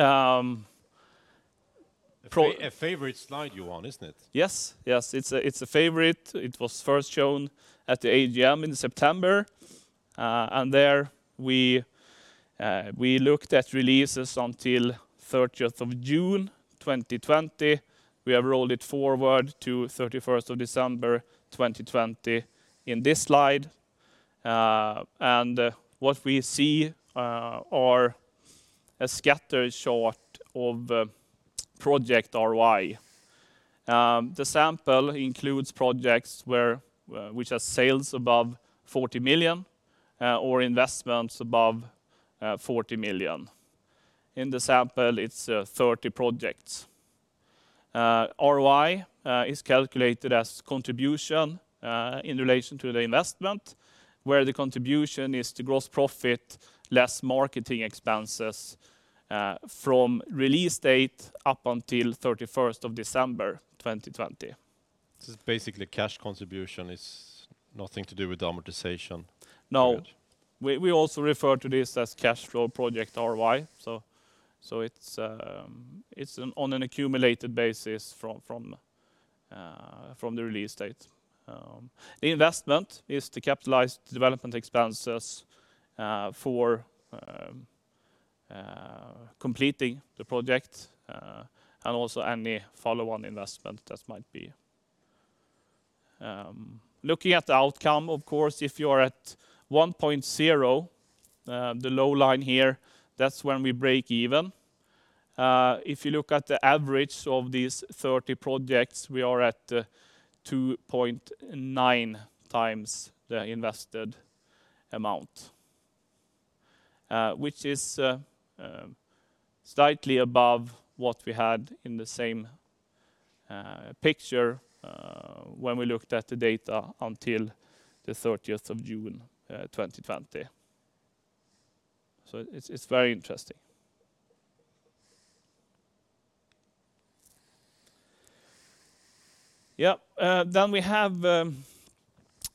A favorite slide you're on, isn't it? Yes. It's a favorite. It was first shown at the AGM in September. There we looked at releases until 30th of June 2020. We have rolled it forward to 31st of December 2020 in this slide. What we see are a scatter shot of project ROI. The sample includes projects which are sales above 40 million or investments above 40 million. In the sample, it's 30 projects. ROI is calculated as contribution in relation to the investment, where the contribution is the gross profit less marketing expenses from release date up until 31st of December 2020. It's basically cash contribution, it's nothing to do with amortization. No, we also refer to this as cash flow project ROI. It's on an accumulated basis from the release date. The investment is to capitalize the development expenses for completing the project, and also any follow-on investment that might be. Looking at the outcome, of course, if you are at 1.0, the low line here, that's when we break even. If you look at the average of these 30 projects, we are at 2.9x the invested amount, which is slightly above what we had in the same picture when we looked at the data until the 30th of June 2020. It's very interesting. Yeah, we have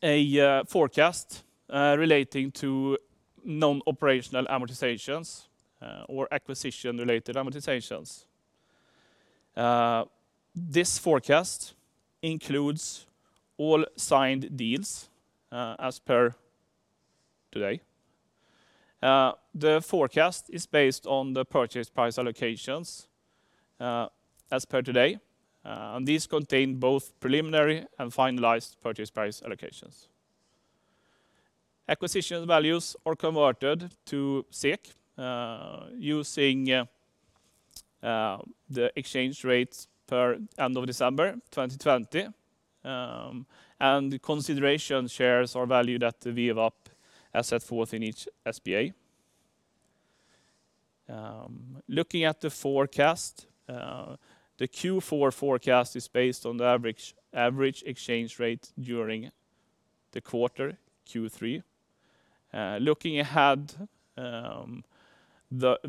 a forecast relating to non-operational amortizations or acquisition-related amortizations. This forecast includes all signed deals as per today. The forecast is based on the purchase price allocations as per today. These contain both preliminary and finalized purchase price allocations. Acquisition values are converted to SEK using the exchange rates per end of December 2020. The consideration shares are valued at the value up as set forth in each SPA. Looking at the forecast, the Q4 forecast is based on the average exchange rate during the quarter Q3. Looking ahead,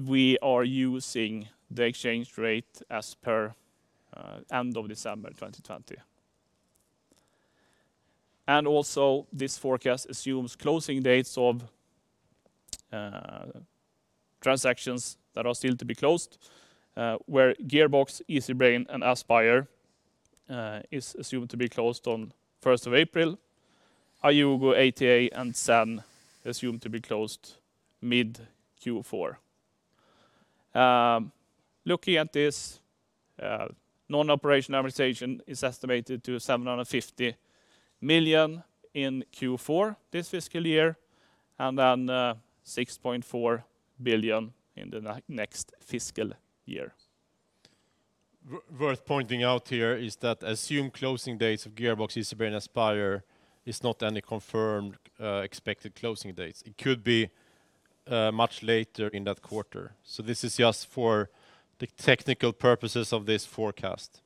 we are using the exchange rate as per end of December 2020. Also this forecast assumes closing dates of transactions that are still to be closed, where Gearbox, Easybrain, and Aspyr is assumed to be closed on first of April. IUGO, ATA, and Zen assumed to be closed mid Q4. Looking at this, non-operation amortization is estimated to 750 million in Q4 this fiscal year, then 6.4 billion in the next fiscal year. Worth pointing out here is that assumed closing dates of Gearbox, Easybrain, Aspyr is not any confirmed expected closing dates. It could be much later in that quarter. This is just for the technical purposes of this forecast.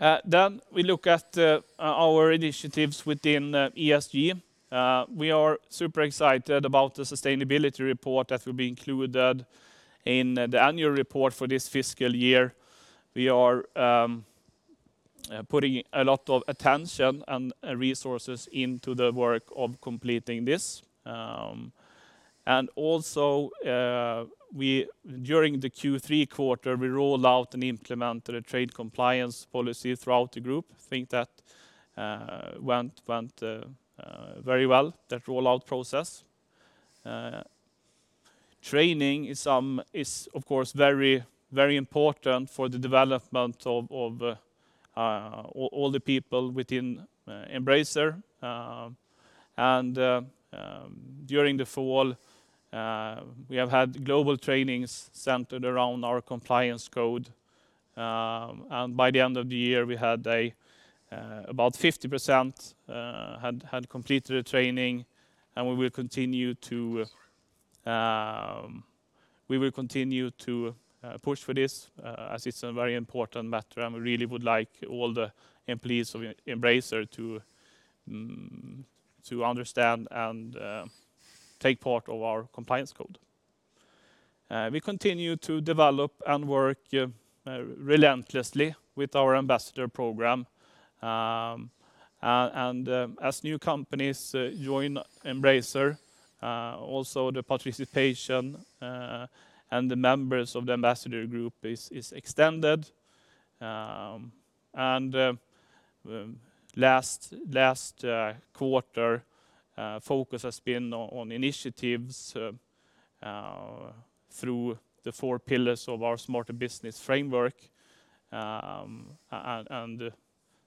Yeah, we look at our initiatives within ESG. We are super excited about the sustainability report that will be included in the annual report for this fiscal year. We are putting a lot of attention and resources into the work of completing this. Also during the Q3 quarter, we rolled out and implemented a trade compliance policy throughout the group. I think that went very well, that rollout process. Training is of course very important for the development of all the people within Embracer. During the fall, we have had global trainings centered around our compliance code. By the end of the year, about 50% had completed the training, and we will continue to push for this as it's a very important matter, and we really would like all the employees of Embracer to understand and take part of our compliance code. We continue to develop and work relentlessly with our ambassador program. As new companies join Embracer, also the participation and the members of the ambassador group is extended. Last quarter, focus has been on initiatives through the four pillars of our smarter business framework, and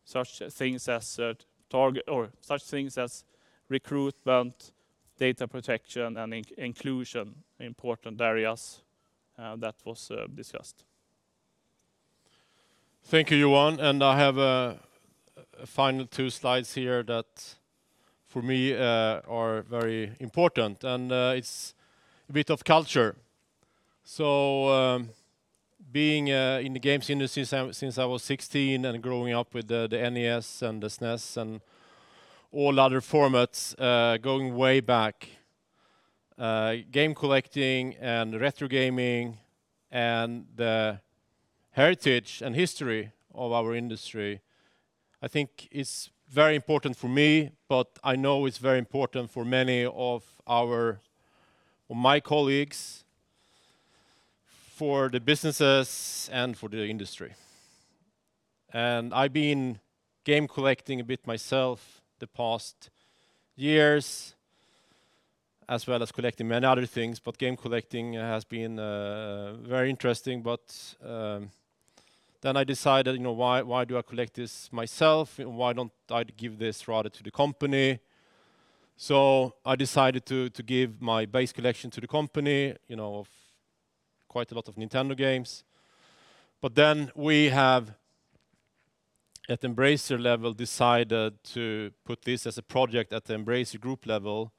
such things as recruitment, data protection, and inclusion, important areas that was discussed. Thank you, Johan. I have a final two slides here that for me are very important, and it's a bit of culture. Being in the games industry since I was 16 and growing up with the NES and the SNES and all other formats, going way back, game collecting and retro gaming and the heritage and history of our industry, I think is very important for me, but I know it's very important for many of my colleagues, for the businesses, and for the industry. I've been game collecting a bit myself the past years, as well as collecting many other things, but game collecting has been very interesting. I decided, why do I collect this myself? Why don't I give this rather to the company? I decided to give my base collection to the company, of quite a lot of Nintendo games. We have at Embracer level decided to put this as a project at the Embracer Group level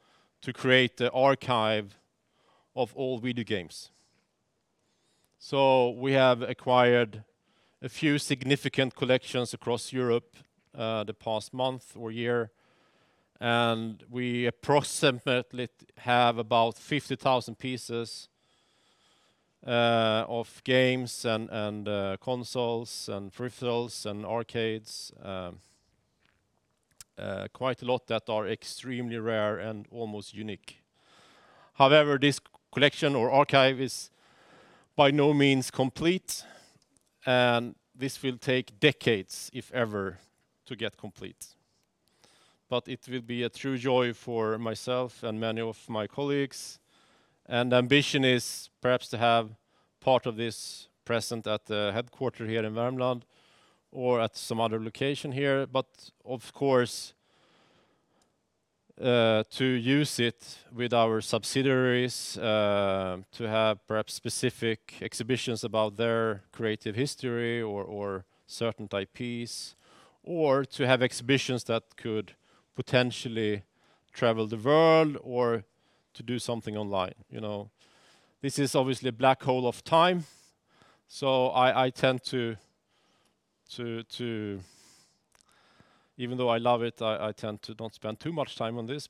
to create the archive of all video games. We have acquired a few significant collections across Europe the past month or year, and we approximately have about 50,000 pieces of games and consoles and peripherals and arcades. Quite a lot that are extremely rare and almost unique. This collection or archive is by no means complete, and this will take decades, if ever, to get complete. It will be a true joy for myself and many of my colleagues, and the ambition is perhaps to have part of this present at the headquarter here in Värmland or at some other location here. Of course, to use it with our subsidiaries, to have perhaps specific exhibitions about their creative history or certain IPs, or to have exhibitions that could potentially travel the world or to do something online. This is obviously a black hole of time, so even though I love it, I tend to not spend too much time on this.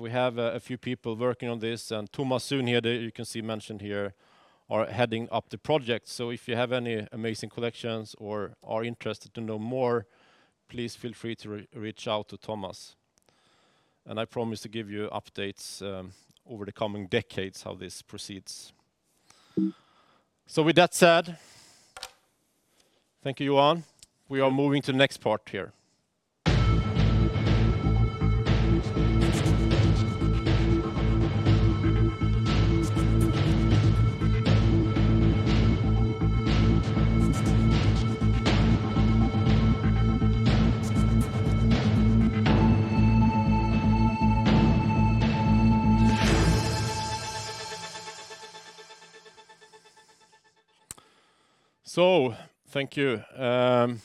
We have a few people working on this, and Thomas Sunhede, you can see mentioned here, are heading up the project. If you have any amazing collections or are interested to know more, please feel free to reach out to Thomas. I promise to give you updates over the coming decades how this proceeds. With that said, thank you, Johan. We are moving to the next part here. Thank you. I'm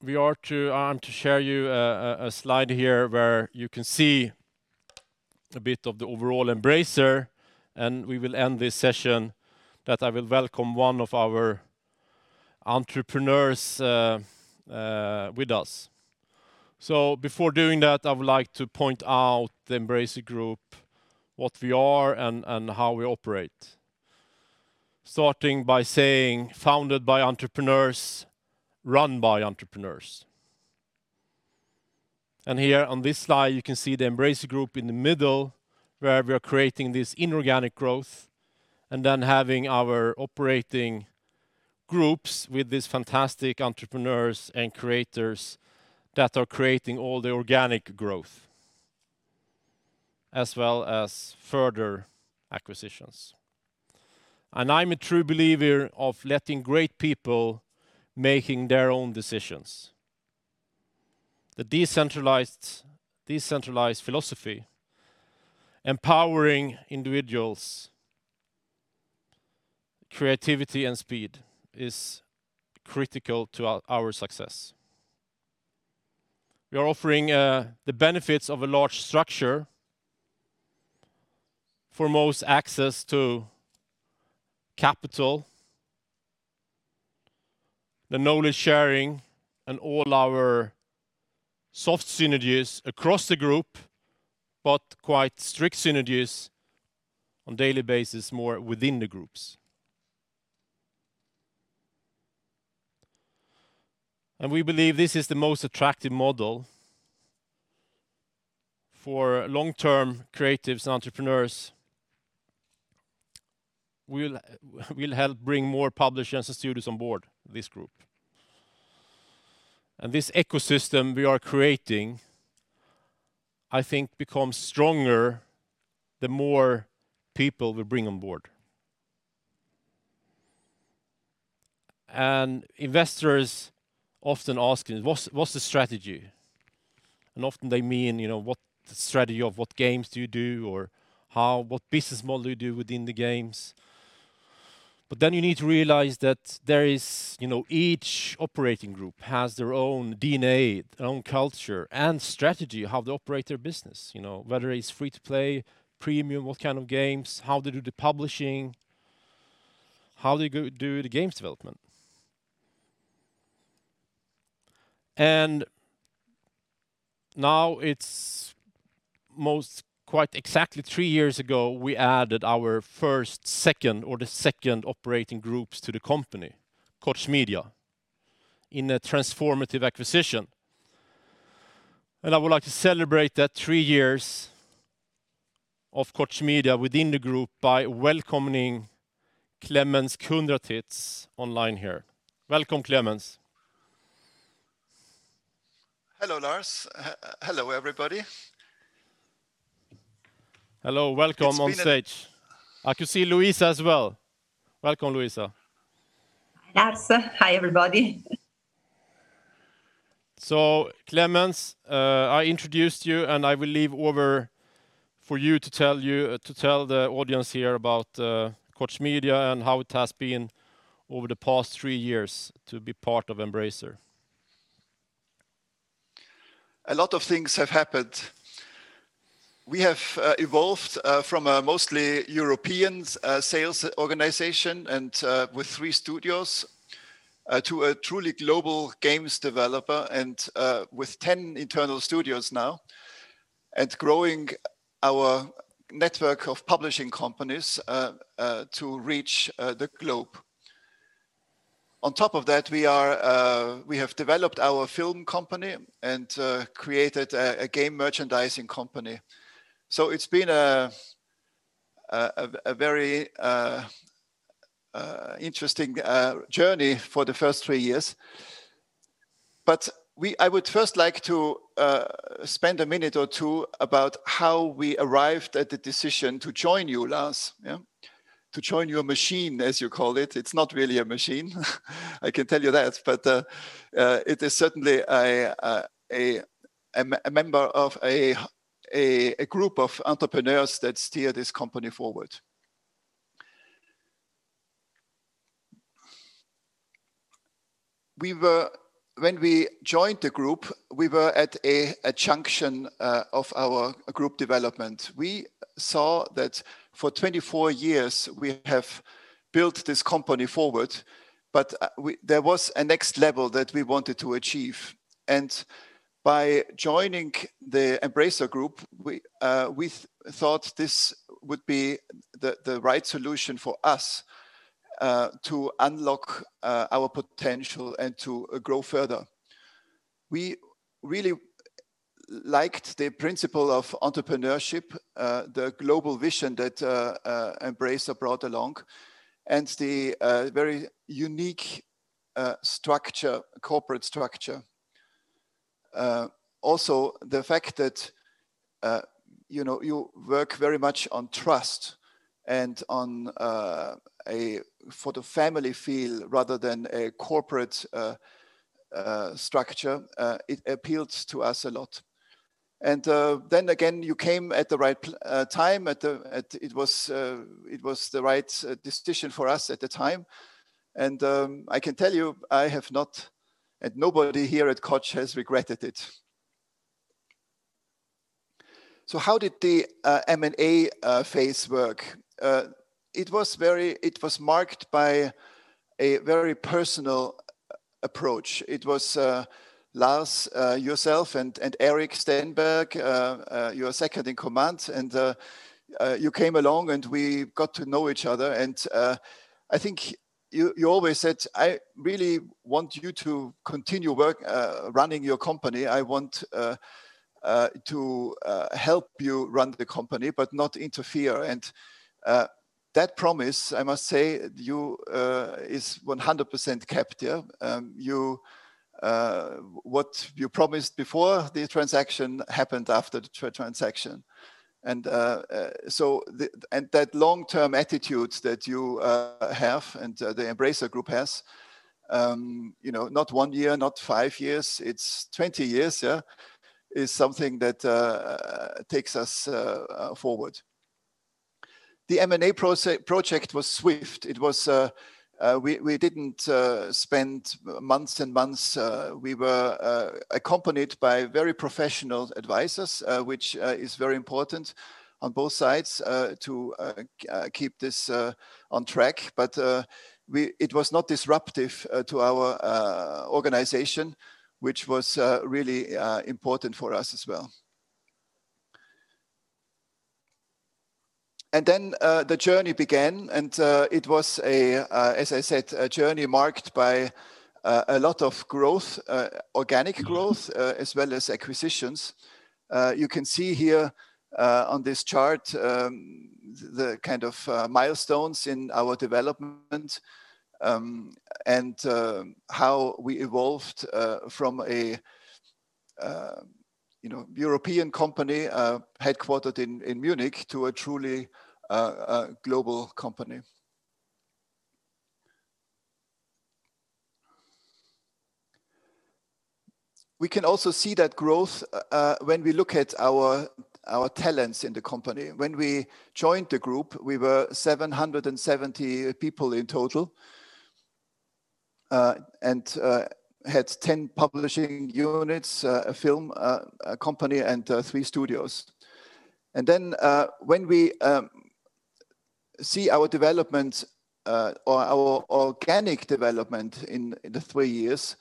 to share you a slide here where you can see a bit of the overall Embracer, we will end this session that I will welcome one of our entrepreneurs with us. Before doing that, I would like to point out the Embracer Group, what we are and how we operate. Starting by saying founded by entrepreneurs, run by entrepreneurs. Here on this slide, you can see the Embracer Group in the middle where we are creating this inorganic growth, then having our operating groups with these fantastic entrepreneurs and creators that are creating all the organic growth, as well as further acquisitions. I'm a true believer of letting great people making their own decisions. The decentralized philosophy, empowering individuals, creativity, and speed is critical to our success. We are offering the benefits of a large structure for most access to capital. The knowledge sharing and all our soft synergies across the group, but quite strict synergies on daily basis more within the groups. We believe this is the most attractive model for long-term creatives and entrepreneurs will help bring more publishers and studios on board this group. This ecosystem we are creating, I think, becomes stronger the more people we bring on board. Investors often ask, "What's the strategy?" Often, they mean, what the strategy of what games do you do, or what business model do you do within the games? You need to realize that each operating group has their own DNA, their own culture, and strategy, how they operate their business, you know, whether it's free to play premium, what kind of games, how to do the publishing, how do you the games development? Now it's most quite exactly three years ago, we added our second operating groups to the company, Koch Media, in a transformative acquisition. I would like to celebrate that three years of Koch Media within the group by welcoming Klemens Kundratitz online here. Welcome, Klemens. Hello, Lars, hello, everybody. Hello, welcome on stage. I can see Luisa as well, welcome, Luisa. Hi, Lars, hi, everybody. Klemens, I introduced you, and I will leave over for you to tell the audience here about Koch Media and how it has been over the past three years to be part of Embracer. A lot of things have happened. We have evolved from a mostly European sales organization, with three studios, to a truly global games developer, with 10 internal studios now, growing our network of publishing companies to reach the globe. On top of that, we have developed our film company and created a game merchandising company. It's been a very interesting journey for the first three years. I would first like to spend a minute or two about how we arrived at the decision to join you, Lars. To join your machine, as you call it. It's not really a machine, I can tell you that, but it is certainly a member of a group of entrepreneurs that steer this company forward. When we joined the group, we were at a junction of our group development. We saw that for 24 years, we have built this company forward, but there was a next level that we wanted to achieve. By joining the Embracer Group, we thought this would be the right solution for us to unlock our potential and to grow further. We really liked the principle of entrepreneurship, the global vision that Embracer brought along, and the very unique corporate structure. Also, the fact that you work very much on trust and for the family feel rather than a corporate structure it appeals to us a lot. Again, you came at the right time. It was the right decision for us at the time. I can tell you, I have not, and nobody here at Koch has regretted it. How did the M&A phase work? It was marked by a very personal approach. It was Lars, yourself, and Erik Stenberg, your second in command. You came along and we got to know each other. I think you always said, "I really want you to continue running your company. I want to help you run the company, but not interfere." That promise, I must say, is 100% kept here. What you promised before the transaction happened after the transaction. That long-term attitude that you have and the Embracer Group has, not one year, not five years, it's 20 years, is something that takes us forward. The M&A project was swift. We didn't spend months and months. We were accompanied by very professional advisors, which is very important on both sides to keep this on track. It was not disruptive to our organization, which was really important for us as well. The journey began, as I said, a journey marked by a lot of organic growth as well as acquisitions. You can see here on this chart the kind of milestones in our development, and how we evolved from a European company headquartered in Munich to a truly global company. We can also see that growth when we look at our talents in the company. When we joined the group, we were 770 people in total, and had 10 publishing units, a film company, and three studios. When we see our development or our organic development in the three years,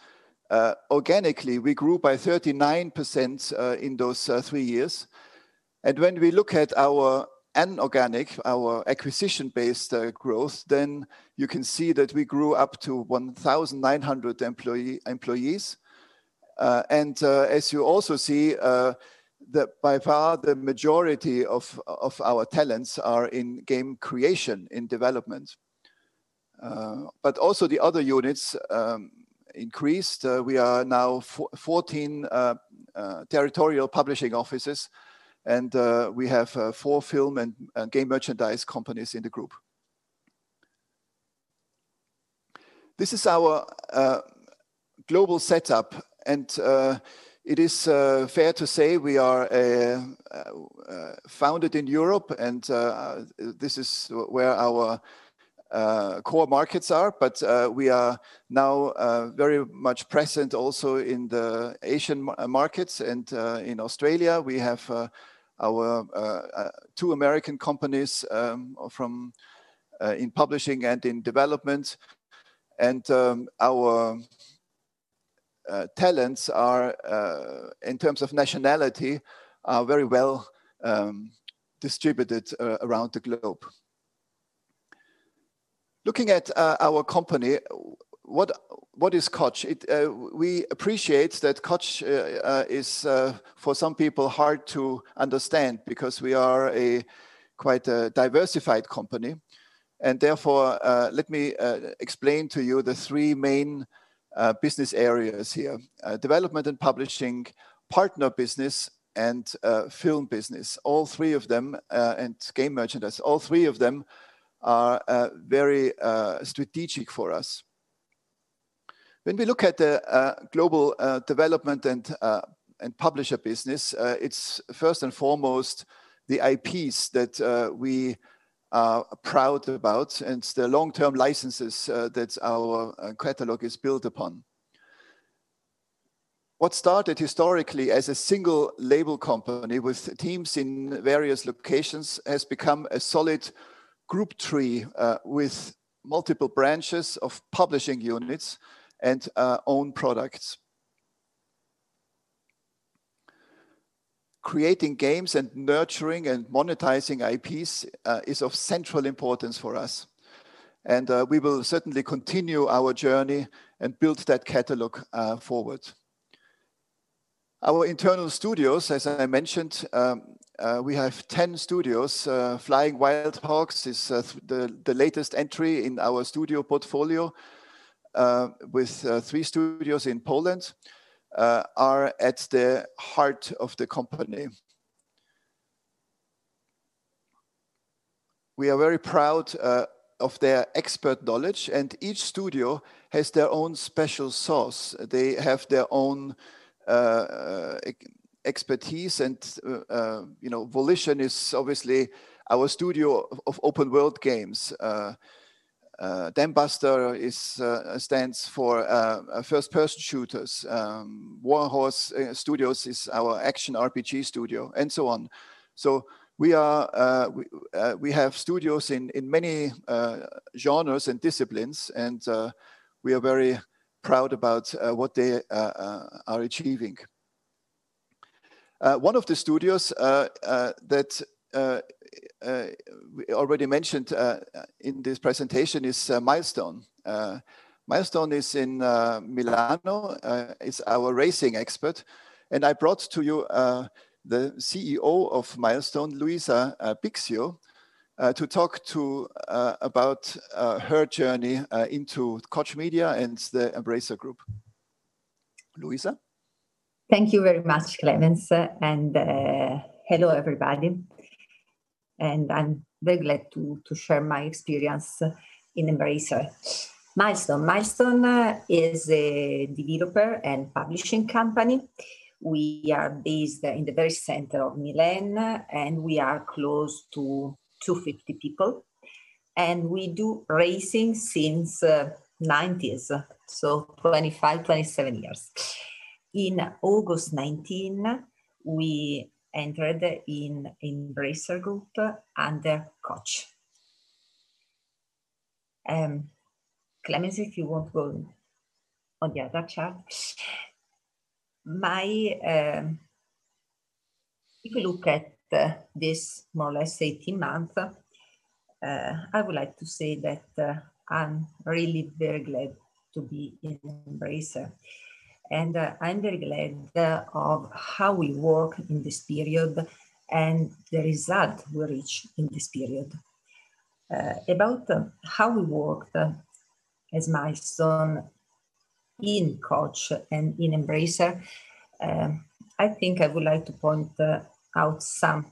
organically, we grew by 39% in those three years. When we look at our inorganic, our acquisition-based growth, you can see that we grew up to 1,900 employees. As you also see, by far, the majority of our talents are in game creation and development. Also the other units increased. We are now 14 territorial publishing offices, and we have four film and game merchandise companies in the group. This is our global setup, and it is fair to say we are founded in Europe, and this is where our core markets are. We are now very much present also in the Asian markets and in Australia. We have our two American companies in publishing and in development. Our talents are, in terms of nationality, very well distributed around the globe. Looking at our company, what is Koch? We appreciate that Koch is, for some people, hard to understand because we are quite a diversified company, therefore, let me explain to you the three main business areas here. Development and publishing, partner business, and film business, and game merchandise. All three of them are very strategic for us. When we look at the global development and publisher business, it's first and foremost the IPs that we are proud about and the long-term licenses that our catalog is built upon. What started historically as a single label company with teams in various locations has become a solid group tree with multiple branches of publishing units and owned products. Creating games and nurturing and monetizing IPs is of central importance for us, and we will certainly continue our journey and build that catalog forward. Our internal studios, as I mentioned, we have 10 studios. Flying Wild Hog is the latest entry in our studio portfolio, with three studios in Poland are at the heart of the company. We are very proud of their expert knowledge, and each studio has their own special sauce. They have their own expertise, and Volition is obviously our studio of open world games. Dambuster stands for first-person shooters. Warhorse Studios is our action RPG studio, and so on. We have studios in many genres and disciplines, and we are very proud about what they are achieving. One of the studios that we already mentioned in this presentation is Milestone. Milestone is in Milano, is our racing expert, and I brought to you the CEO of Milestone, Luisa Bixio, to talk about her journey into Koch Media and the Embracer Group, Luisa? Thank you very much, Klemens, and hello, everybody, and I'm very glad to share my experience in Embracer. Milestone. Milestone is a developer and publishing company. We are based in the very center of Milan, and we are close to 250 people, and we do racing since '90s, so 25, 27 years. In August 2019, we entered in Embracer Group under Koch. Klemens, if you want go on the other chart. If you look at this more or less 18 months, I would like to say that I'm really very glad to be in Embracer, and I'm very glad of how we work in this period, and the result we reach in this period. About how we worked as Milestone in Koch and in Embracer, I think I would like to point out some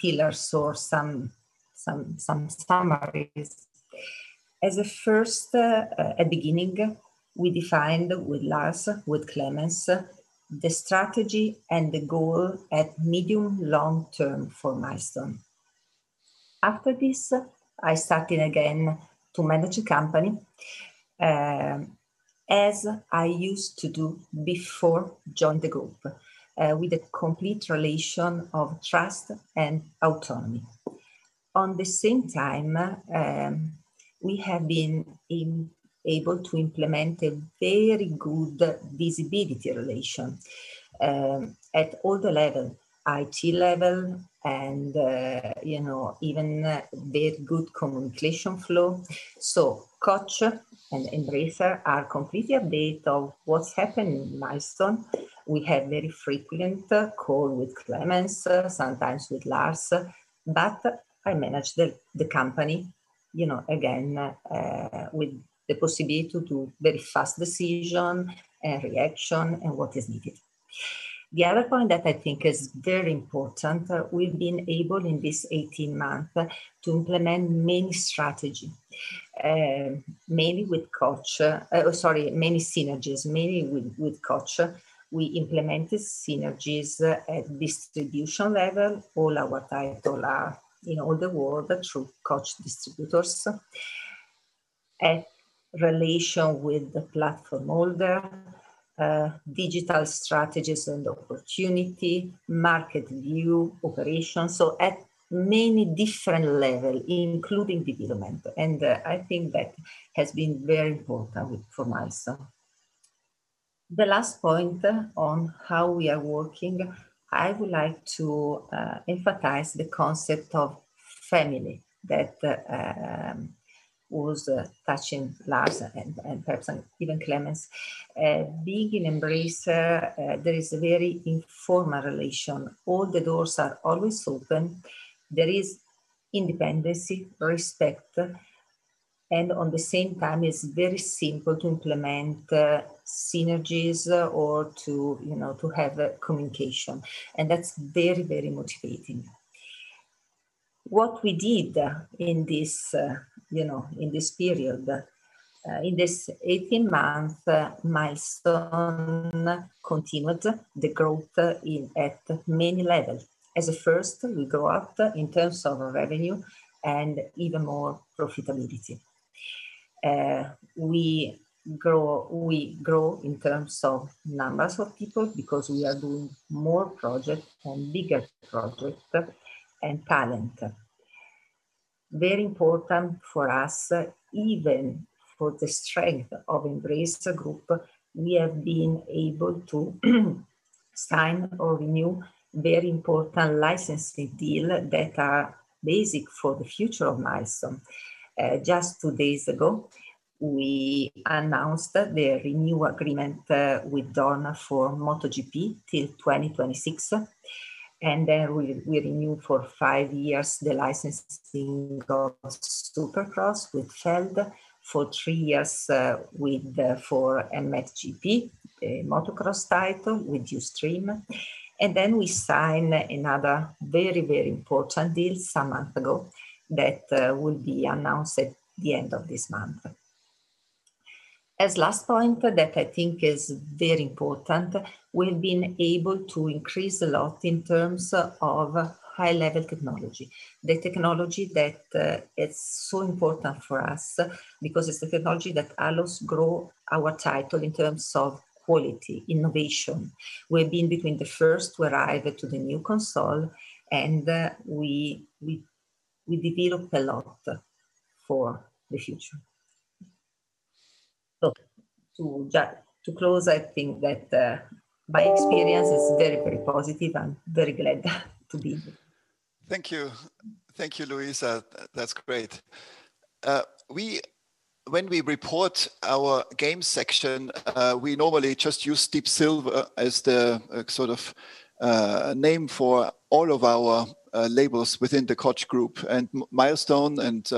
pillars or some summaries. As a first, at beginning, we defined with Lars, with Klemens, the strategy and the goal at medium long term for Milestone. After this, I started again to manage a company, as I used to do before join the group, with a complete relation of trust and autonomy. On the same time, we have been able to implement a very good visibility relation at all the level, IT level, and even very good communication flow. Koch and Embracer are completely updated of what's happening in Milestone. We have very frequent call with Klemens, sometimes with Lars, but I manage the company, again, with the possibility to very fast decision and reaction and what is needed. The other point that I think is very important, we've been able in this 18 month to implement many synergies, mainly with Koch. We implemented synergies at distribution level. All our title are in all the world through Koch distributors. At relation with the platform holder, digital strategies and opportunity, market view, operation, so at many different level, including development, and I think that has been very important for Milestone. The last point on how we are working, I would like to emphasize the concept of family that was touching Lars and perhaps even Klemens. Being in Embracer, there is a very informal relation. All the doors are always open. There is independency, respect, and on the same time, it's very simple to implement synergies or to have communication, and that's very motivating. What we did in this period. In this 18 month, Milestone continued the growth at many levels. As a first, we go up in terms of revenue and even more profitability. We grow in terms of numbers of people because we are doing more project and bigger project and talent is very important for us. Even for the strength of Embracer Group, we have been able to sign or renew very important licensing deal that are basic for the future of Milestone. Just two days ago, we announced the renew agreement with Dorna for MotoGP till 2026. Then we renew for five years the licensing of Supercross with Feld, for three years with for MXGP, a motocross title. Then we sign another very important deal some month ago that will be announced at the end of this month. As last point that I think is very important, we've been able to increase a lot in terms of high-level technology, the technology that is so important for us because it's the technology that allows grow our title in terms of quality, innovation. We've been between the first to arrive to the new console, we develop a lot for the future. To close, I think that my experience is very positive, I'm very glad to be here. Thank you, Luisa, that's great. When we report our game section, we normally just use Deep Silver as the sort of name for all of our labels within the Koch group, and Milestone and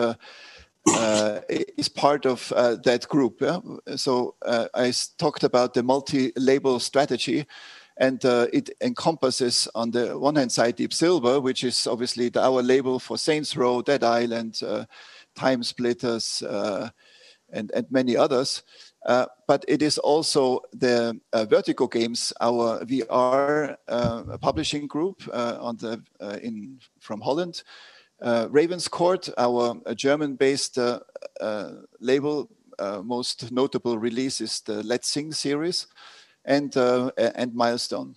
is part of that group. I talked about the multi-label strategy, and it encompasses, on the one hand side, Deep Silver, which is obviously our label for "Saints Row," "Dead Island," "TimeSplitters," and many others. It is also the Vertigo Games, our VR publishing group from Holland. Ravenscourt, our German-based label, most notable release is the Let's Sing series and Milestone.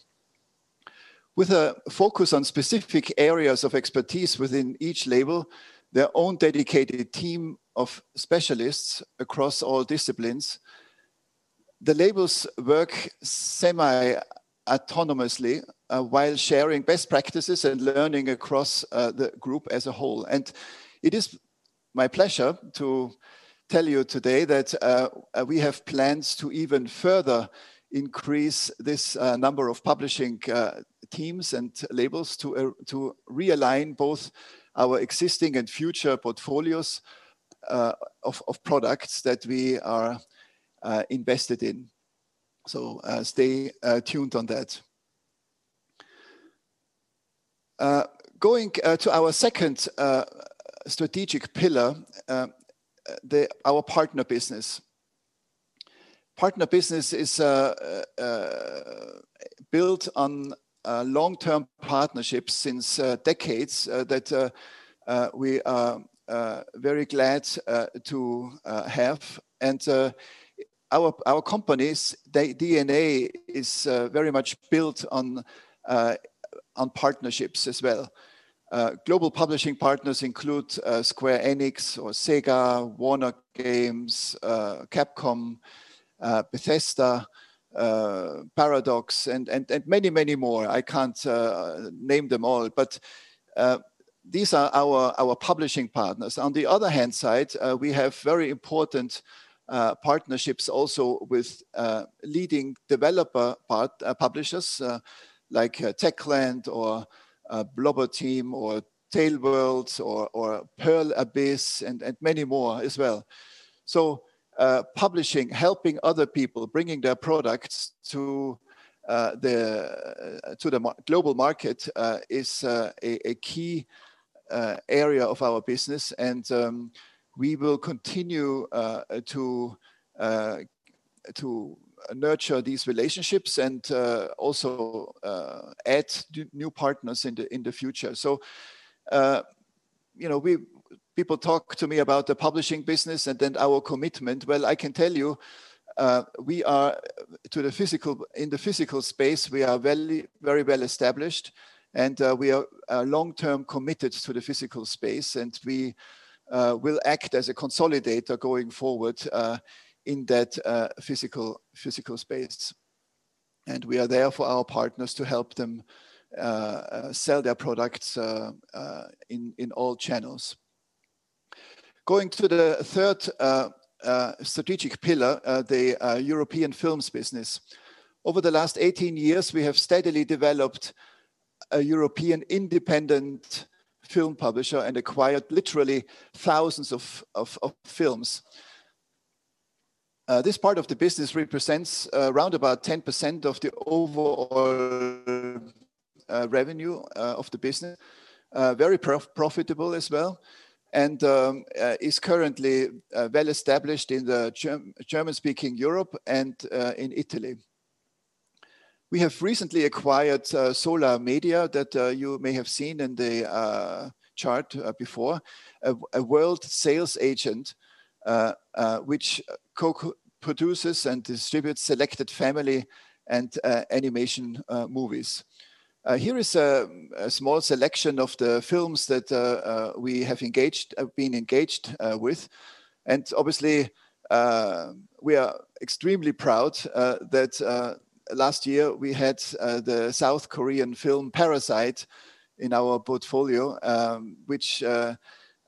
With a focus on specific areas of expertise within each label, their own dedicated team of specialists across all disciplines, the labels work semi-autonomously while sharing best practices and learning across the group as a whole. It is my pleasure to tell you today that we have plans to even further increase this number of publishing teams and labels to realign both our existing and future portfolios of products that we are invested in. Stay tuned on that. Going to our second strategic pillar, our partner business. Partner business is built on long-term partnerships since decades, that we are very glad to have. Our company's DNA is very much built on partnerships as well. Global publishing partners include Square Enix or Sega, Warner Games, Capcom, Bethesda, Paradox, and many, many more. I can't name them all, but these are our publishing partners. On the other hand side, we have very important partnerships also with leading developer publishers, like Techland or Bloober Team or TaleWorlds or Pearl Abyss, and many more as well. Publishing, helping other people, bringing their products to the global market, is a key area of our business. We will continue to nurture these relationships and also add new partners in the future. People talk to me about the publishing business and then our commitment. I can tell you, in the physical space, we are very well established, and we are long-term committed to the physical space, and we will act as a consolidator going forward in that physical space. We are there for our partners to help them sell their products in all channels. Going to the third strategic pillar, the European films business. Over the last 18 years, we have steadily developed a European independent film publisher and acquired literally thousands of films. This part of the business represents around about 10% of the overall revenue of the business, very profitable as well. Is currently well established in the German-speaking Europe and in Italy. We have recently acquired Sola Media, that you may have seen in the chart before, a world sales agent which co-produces and distributes selected family and animation movies. Here is a small selection of the films that we have been engaged with. Obviously, we are extremely proud that last year we had the South Korean film, "Parasite" in our portfolio, which,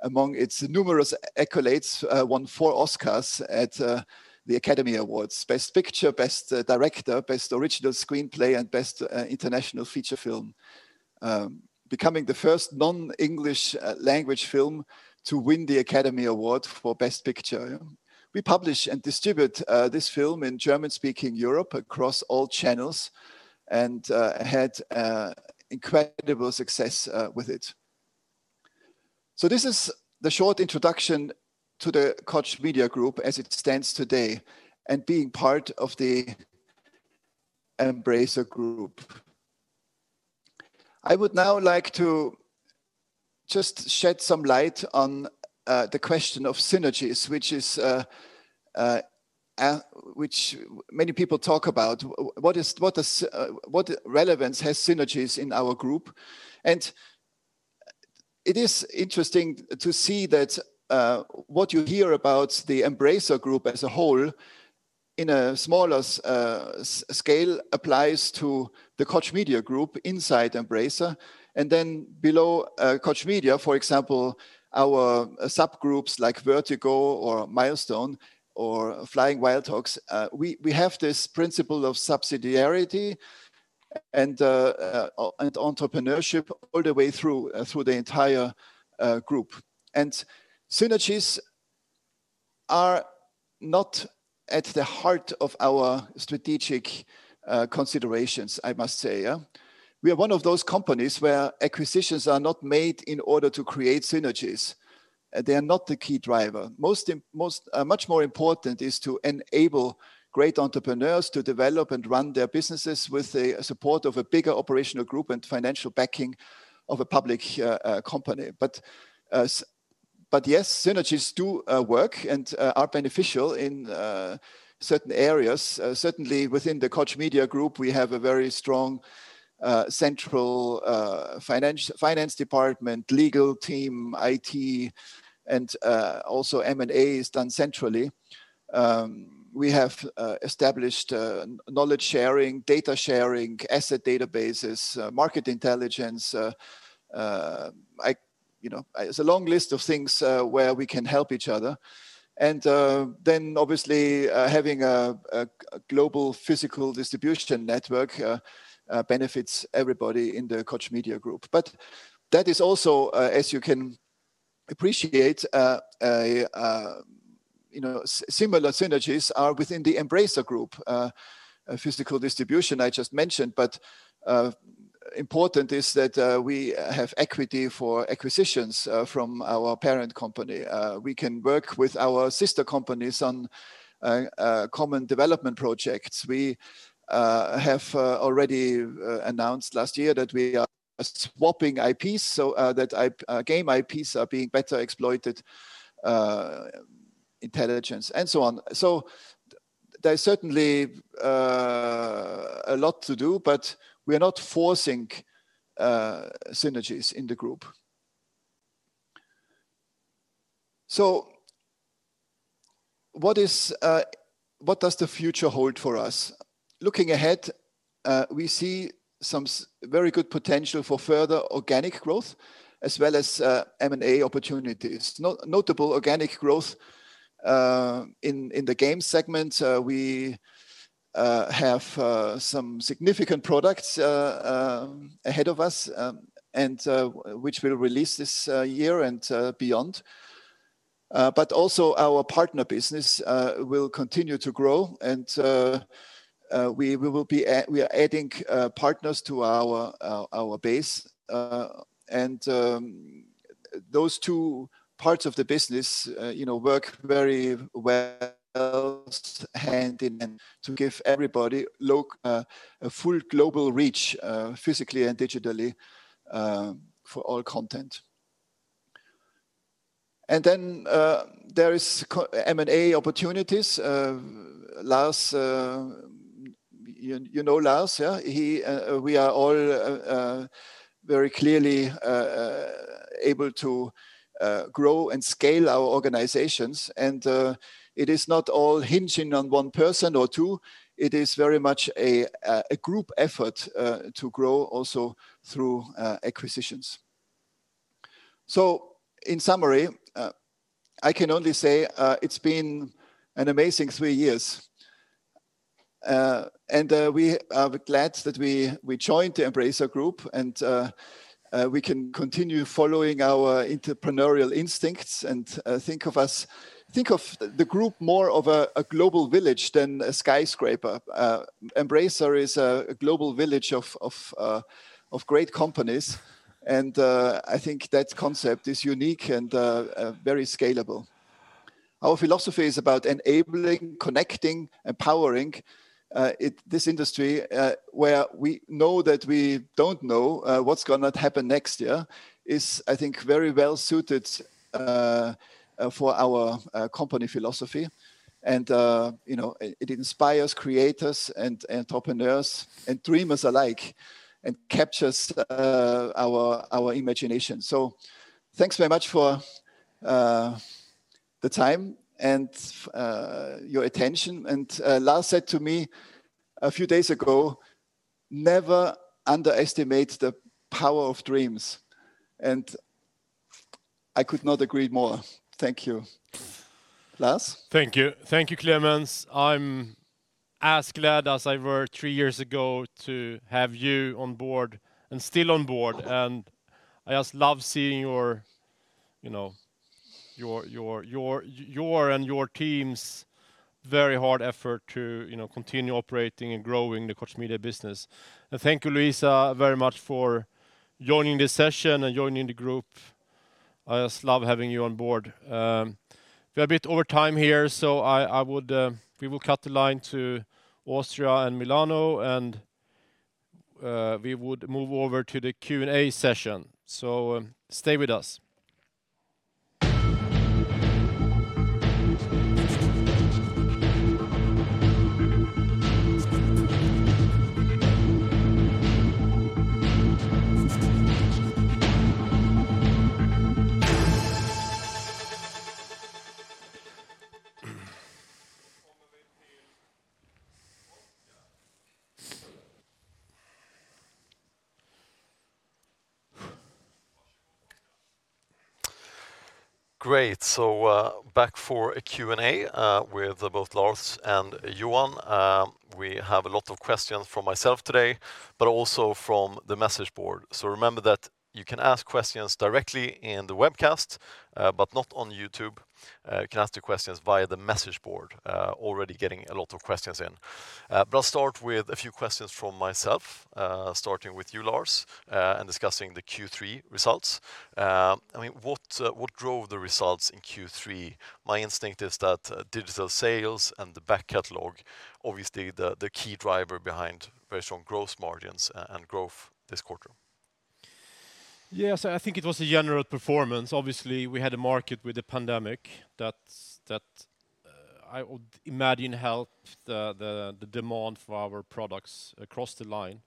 among its numerous accolades, won four Oscars at the Academy Awards. Best Picture, Best Director, Best Original Screenplay, and Best International Feature Film, becoming the first non-English language film to win the Academy Award for Best Picture. We publish and distribute this film in German-speaking Europe across all channels and had incredible success with it. This is the short introduction to the Koch Media Group as it stands today and being part of the Embracer Group. I would now like to just shed some light on the question of synergies, which many people talk about. What relevance has synergies in our group? It is interesting to see that what you hear about the Embracer Group as a whole, in a smaller scale, applies to the Koch Media Group inside Embracer. Below Koch Media, for example, our subgroups like Vertigo or Milestone or Flying Wild Hog, we have this principle of subsidiarity and entrepreneurship all the way through the entire group. Synergies are not at the heart of our strategic considerations, I must say. We are one of those companies where acquisitions are not made in order to create synergies. They are not the key driver. Much more important is to enable great entrepreneurs to develop and run their businesses with the support of a bigger operational group and financial backing of a public company. Yes, synergies do work and are beneficial in certain areas. Certainly, within the Koch Media Group, we have a very strong central finance department, legal team, IT, and also M&A is done centrally. We have established knowledge sharing, data sharing, asset databases, market intelligence. It's a long list of things where we can help each other. Obviously, having a global physical distribution network benefits everybody in the Koch Media Group. That is also, as you can appreciate, similar synergies are within the Embracer Group. Physical distribution, I just mentioned, important is that we have equity for acquisitions from our parent company. We can work with our sister companies on common development projects. We have already announced last year that we are swapping IPs so that game IPs are being better exploited, intelligence, and so on. There's certainly a lot to do, but we are not forcing synergies in the group. What does the future hold for us? Looking ahead, we see some very good potential for further organic growth as well as M&A opportunities. Notable organic growth in the game segment, we have some significant products ahead of us which we'll release this year and beyond. Also, our partner business will continue to grow, and we are adding partners to our base, and those two parts of the business work very well hand in hand to give everybody a full global reach physically and digitally for all content. There is M&A opportunities. Lars, you know Lars, yeah? We are all very clearly able to grow and scale our organizations, and it is not all hinging on one person or two. It is very much a group effort to grow also through acquisitions. In summary, I can only say it's been an amazing three years, and we are glad that we joined the Embracer Group, and we can continue following our entrepreneurial instincts, and think of the group more of a global village than a skyscraper. Embracer is a global village of great companies, and I think that concept is unique and very scalable. Our philosophy is about enabling, connecting, empowering this industry, where we know that we don't know what's going to happen next year, is, I think, very well suited for our company philosophy. It inspires creators and entrepreneurs and dreamers alike and captures our imagination. Thanks very much for the time and your attention. Lars said to me a few days ago, "Never underestimate the power of dreams." I could not agree more, thank you, Lars? Thank you, thank you, Klemens. I'm as glad as I were three years ago to have you on board and still on board, and I just love seeing your and your team's very hard effort to continue operating and growing the Koch Media business. Thank you, Luisa, very much for joining the session and joining the group. I just love having you on board. We're a bit over time here, so we will cut the line to Austria and Milano, and we would move over to the Q&A session. Stay with us. Great, back for a Q&A with both Lars and Johan. We have a lot of questions from myself today, but also from the message board. Remember that you can ask questions directly in the webcast, but not on YouTube. You can ask the questions via the message board. Already getting a lot of questions in. I'll start with a few questions from myself, starting with you, Lars, and discussing the Q3 results. What drove the results in Q3? My instinct is that digital sales and the back catalog, obviously the key driver behind very strong growth margins and growth this quarter. Yes, I think it was a general performance. We had a market with the pandemic that I would imagine helped the demand for our products across the line,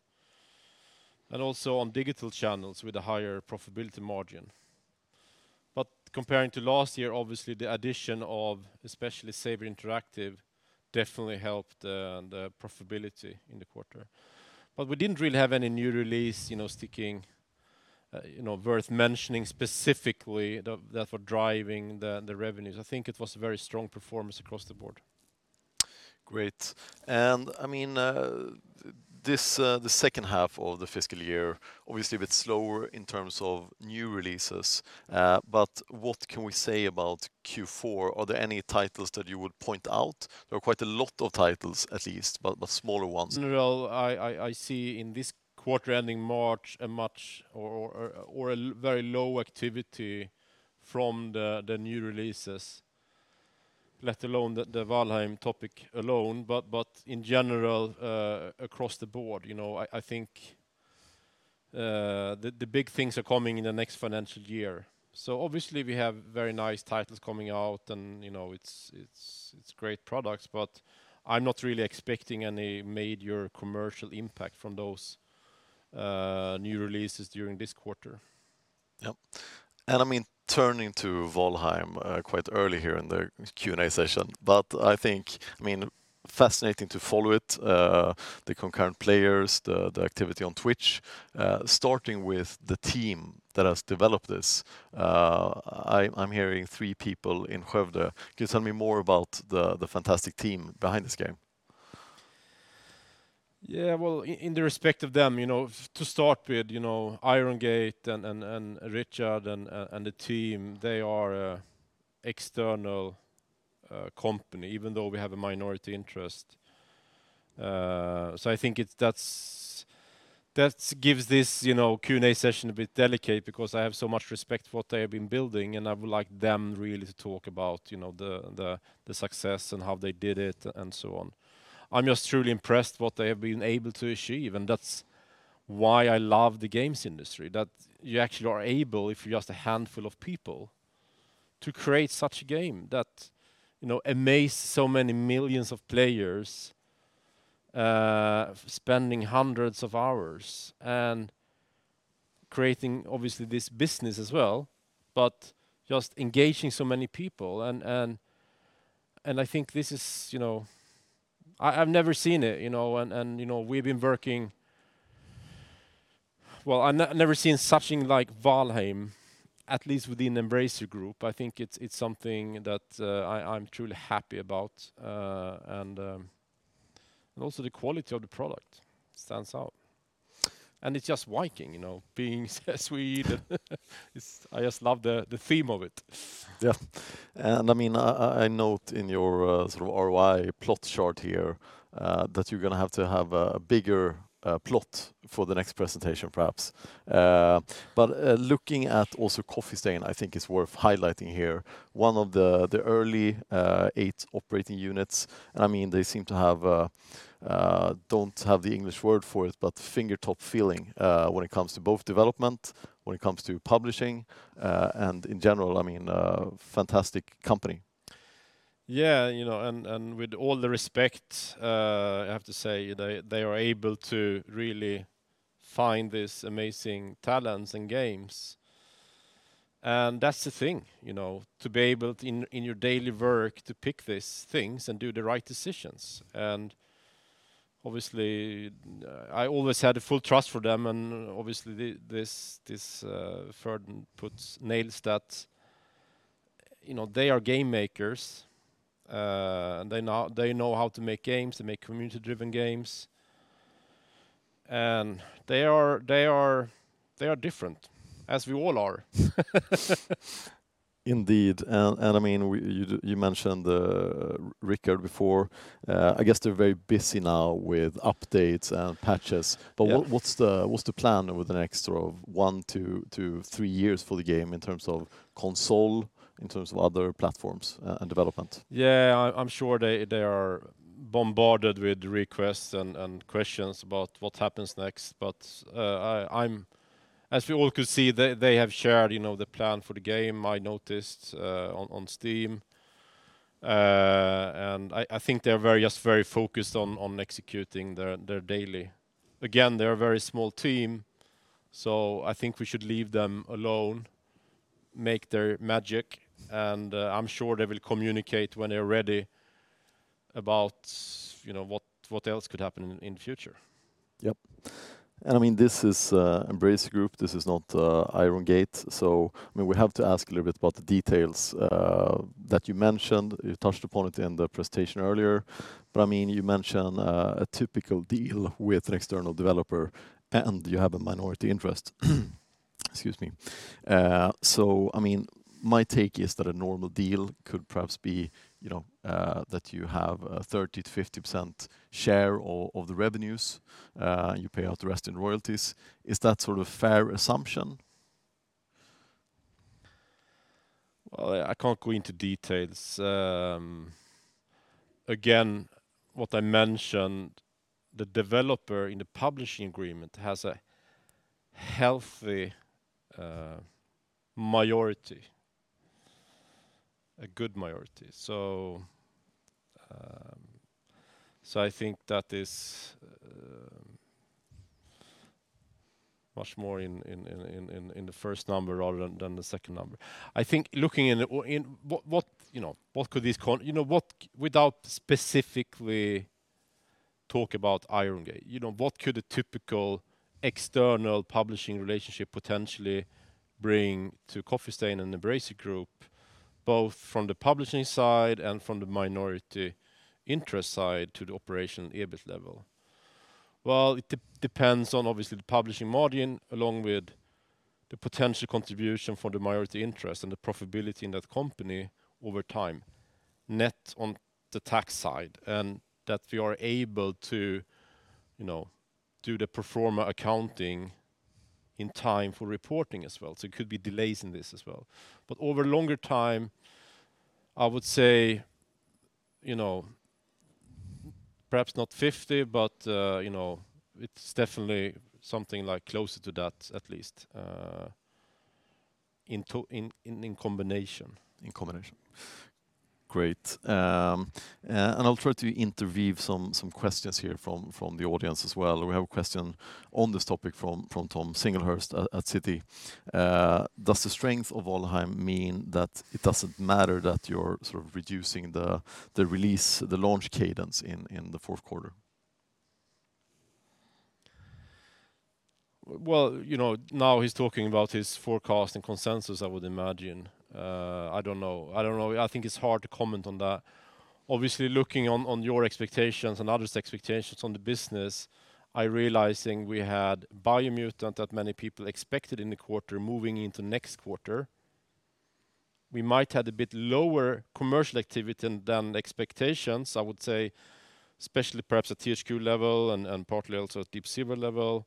and also on digital channels with a higher profitability margin. Comparing to last year, obviously the addition of especially Saber Interactive definitely helped the profitability in the quarter. We didn't really have any new release worth mentioning specifically that were driving the revenues. I think it was a very strong performance across the board. Great, the second half of the fiscal year, obviously a bit slower in terms of new releases. What can we say about Q4? Are there any titles that you would point out? There are quite a lot of titles at least, but smaller ones. I see in this quarter ending March, a very low activity from the new releases, let alone the Valheim topic alone. In general, across the board, I think the big things are coming in the next financial year. Obviously, we have very nice titles coming out and it's great products, but I'm not really expecting any major commercial impact from those new releases during this quarter. Yep, turning to Valheim quite early here in the Q&A session, but I think, fascinating to follow it, the concurrent players, the activity on Twitch. Starting with the team that has developed this, I'm hearing three people in Skövde. Can you tell me more about the fantastic team behind this game? Well, in the respect of them, to start with, Iron Gate and Richard and the team, they are an external company, even though we have a minority interest. I think that gives this Q&A session a bit delicate because I have so much respect for what they have been building, and I would like them really to talk about the success and how they did it and so on. I'm just truly impressed what they have been able to achieve, that's why I love the games industry, that you actually are able, if you're just a handful of people, to create such a game that amaze so many millions of players, spending hundreds of hours and creating, obviously, this business as well, just engaging so many people. I've never seen such a thing like Valheim, at least within Embracer Group. I think it's something that I'm truly happy about. Also, the quality of the product stands out. It's just Viking, being Swedish. I just love the theme of it. I note in your sort of ROI plot chart here that you're going to have to have a bigger plot for the next presentation, perhaps. Looking at also Coffee Stain, I think is worth highlighting here. One of the early eight operating units, they seem to have, don't have the English word for it, but finger top feeling when it comes to both development, when it comes to publishing, and in general, fantastic company. With all the respect, I have to say, they are able to really find these amazing talents and games. That's the thing, to be able in your daily work to pick these things and do the right decisions. Obviously, I always had a full trust for them. Obviously, this further nails that they are game makers. They know how to make games. They make community-driven games. They are different as we all are. Indeed, you mentioned Richard before. I guess they're very busy now with updates and patches. Yeah. What's the plan over the next sort of one to three years for the game in terms of console, in terms of other platforms and development? Yeah, I'm sure they are bombarded with requests and questions about what happens next. As we all could see, they have shared the plan for the game, I noticed on Steam. I think they're just very focused on executing their daily. Again, they're a very small team, so I think we should leave them alone, make their magic, and I'm sure they will communicate when they're ready about what else could happen in the future. Yep, this is Embracer Group, this is not Iron Gate. We have to ask a little bit about the details that you mentioned. You touched upon it in the presentation earlier. You mentioned a typical deal with an external developer, and you have a minority interest, excuse me. My take is that a normal deal could perhaps be that you have a 30%-50% share of the revenues, you pay out the rest in royalties. Is that sort of fair assumption? Well, I can't go into details. Again, what I mentioned, the developer in the publishing agreement has a healthy majority, a good majority. I think that is much more in the first number rather than the second number. I think looking in, without specifically talk about Iron Gate, what could a typical external publishing relationship potentially bring to Coffee Stain and Embracer Group, both from the publishing side and from the minority interest side to the operational EBIT level? Well, it depends on obviously the publishing margin along with the potential contribution for the minority interest and the profitability in that company over time, net on the tax side, and that we are able to do the pro forma accounting in time for reporting as well. It could be delays in this as well. Over longer time, I would say perhaps not 50%, but it's definitely something closer to that at least in combination. In combination, great. I'll try to interweave some questions here from the audience as well. We have a question on this topic from Thomas Singlehurst at Citi. Does the strength of "Valheim" mean that it doesn't matter that you're sort of reducing the launch cadence in the fourth quarter? Well, now he's talking about his forecast and consensus, I would imagine. I don't know. I think it's hard to comment on that. Obviously, looking on your expectations and others' expectations on the business, I realizing we had Biomutant that many people expected in the quarter moving into next quarter. We might had a bit lower commercial activity than expectations, I would say, especially perhaps at THQ level and partly also at Deep Silver level.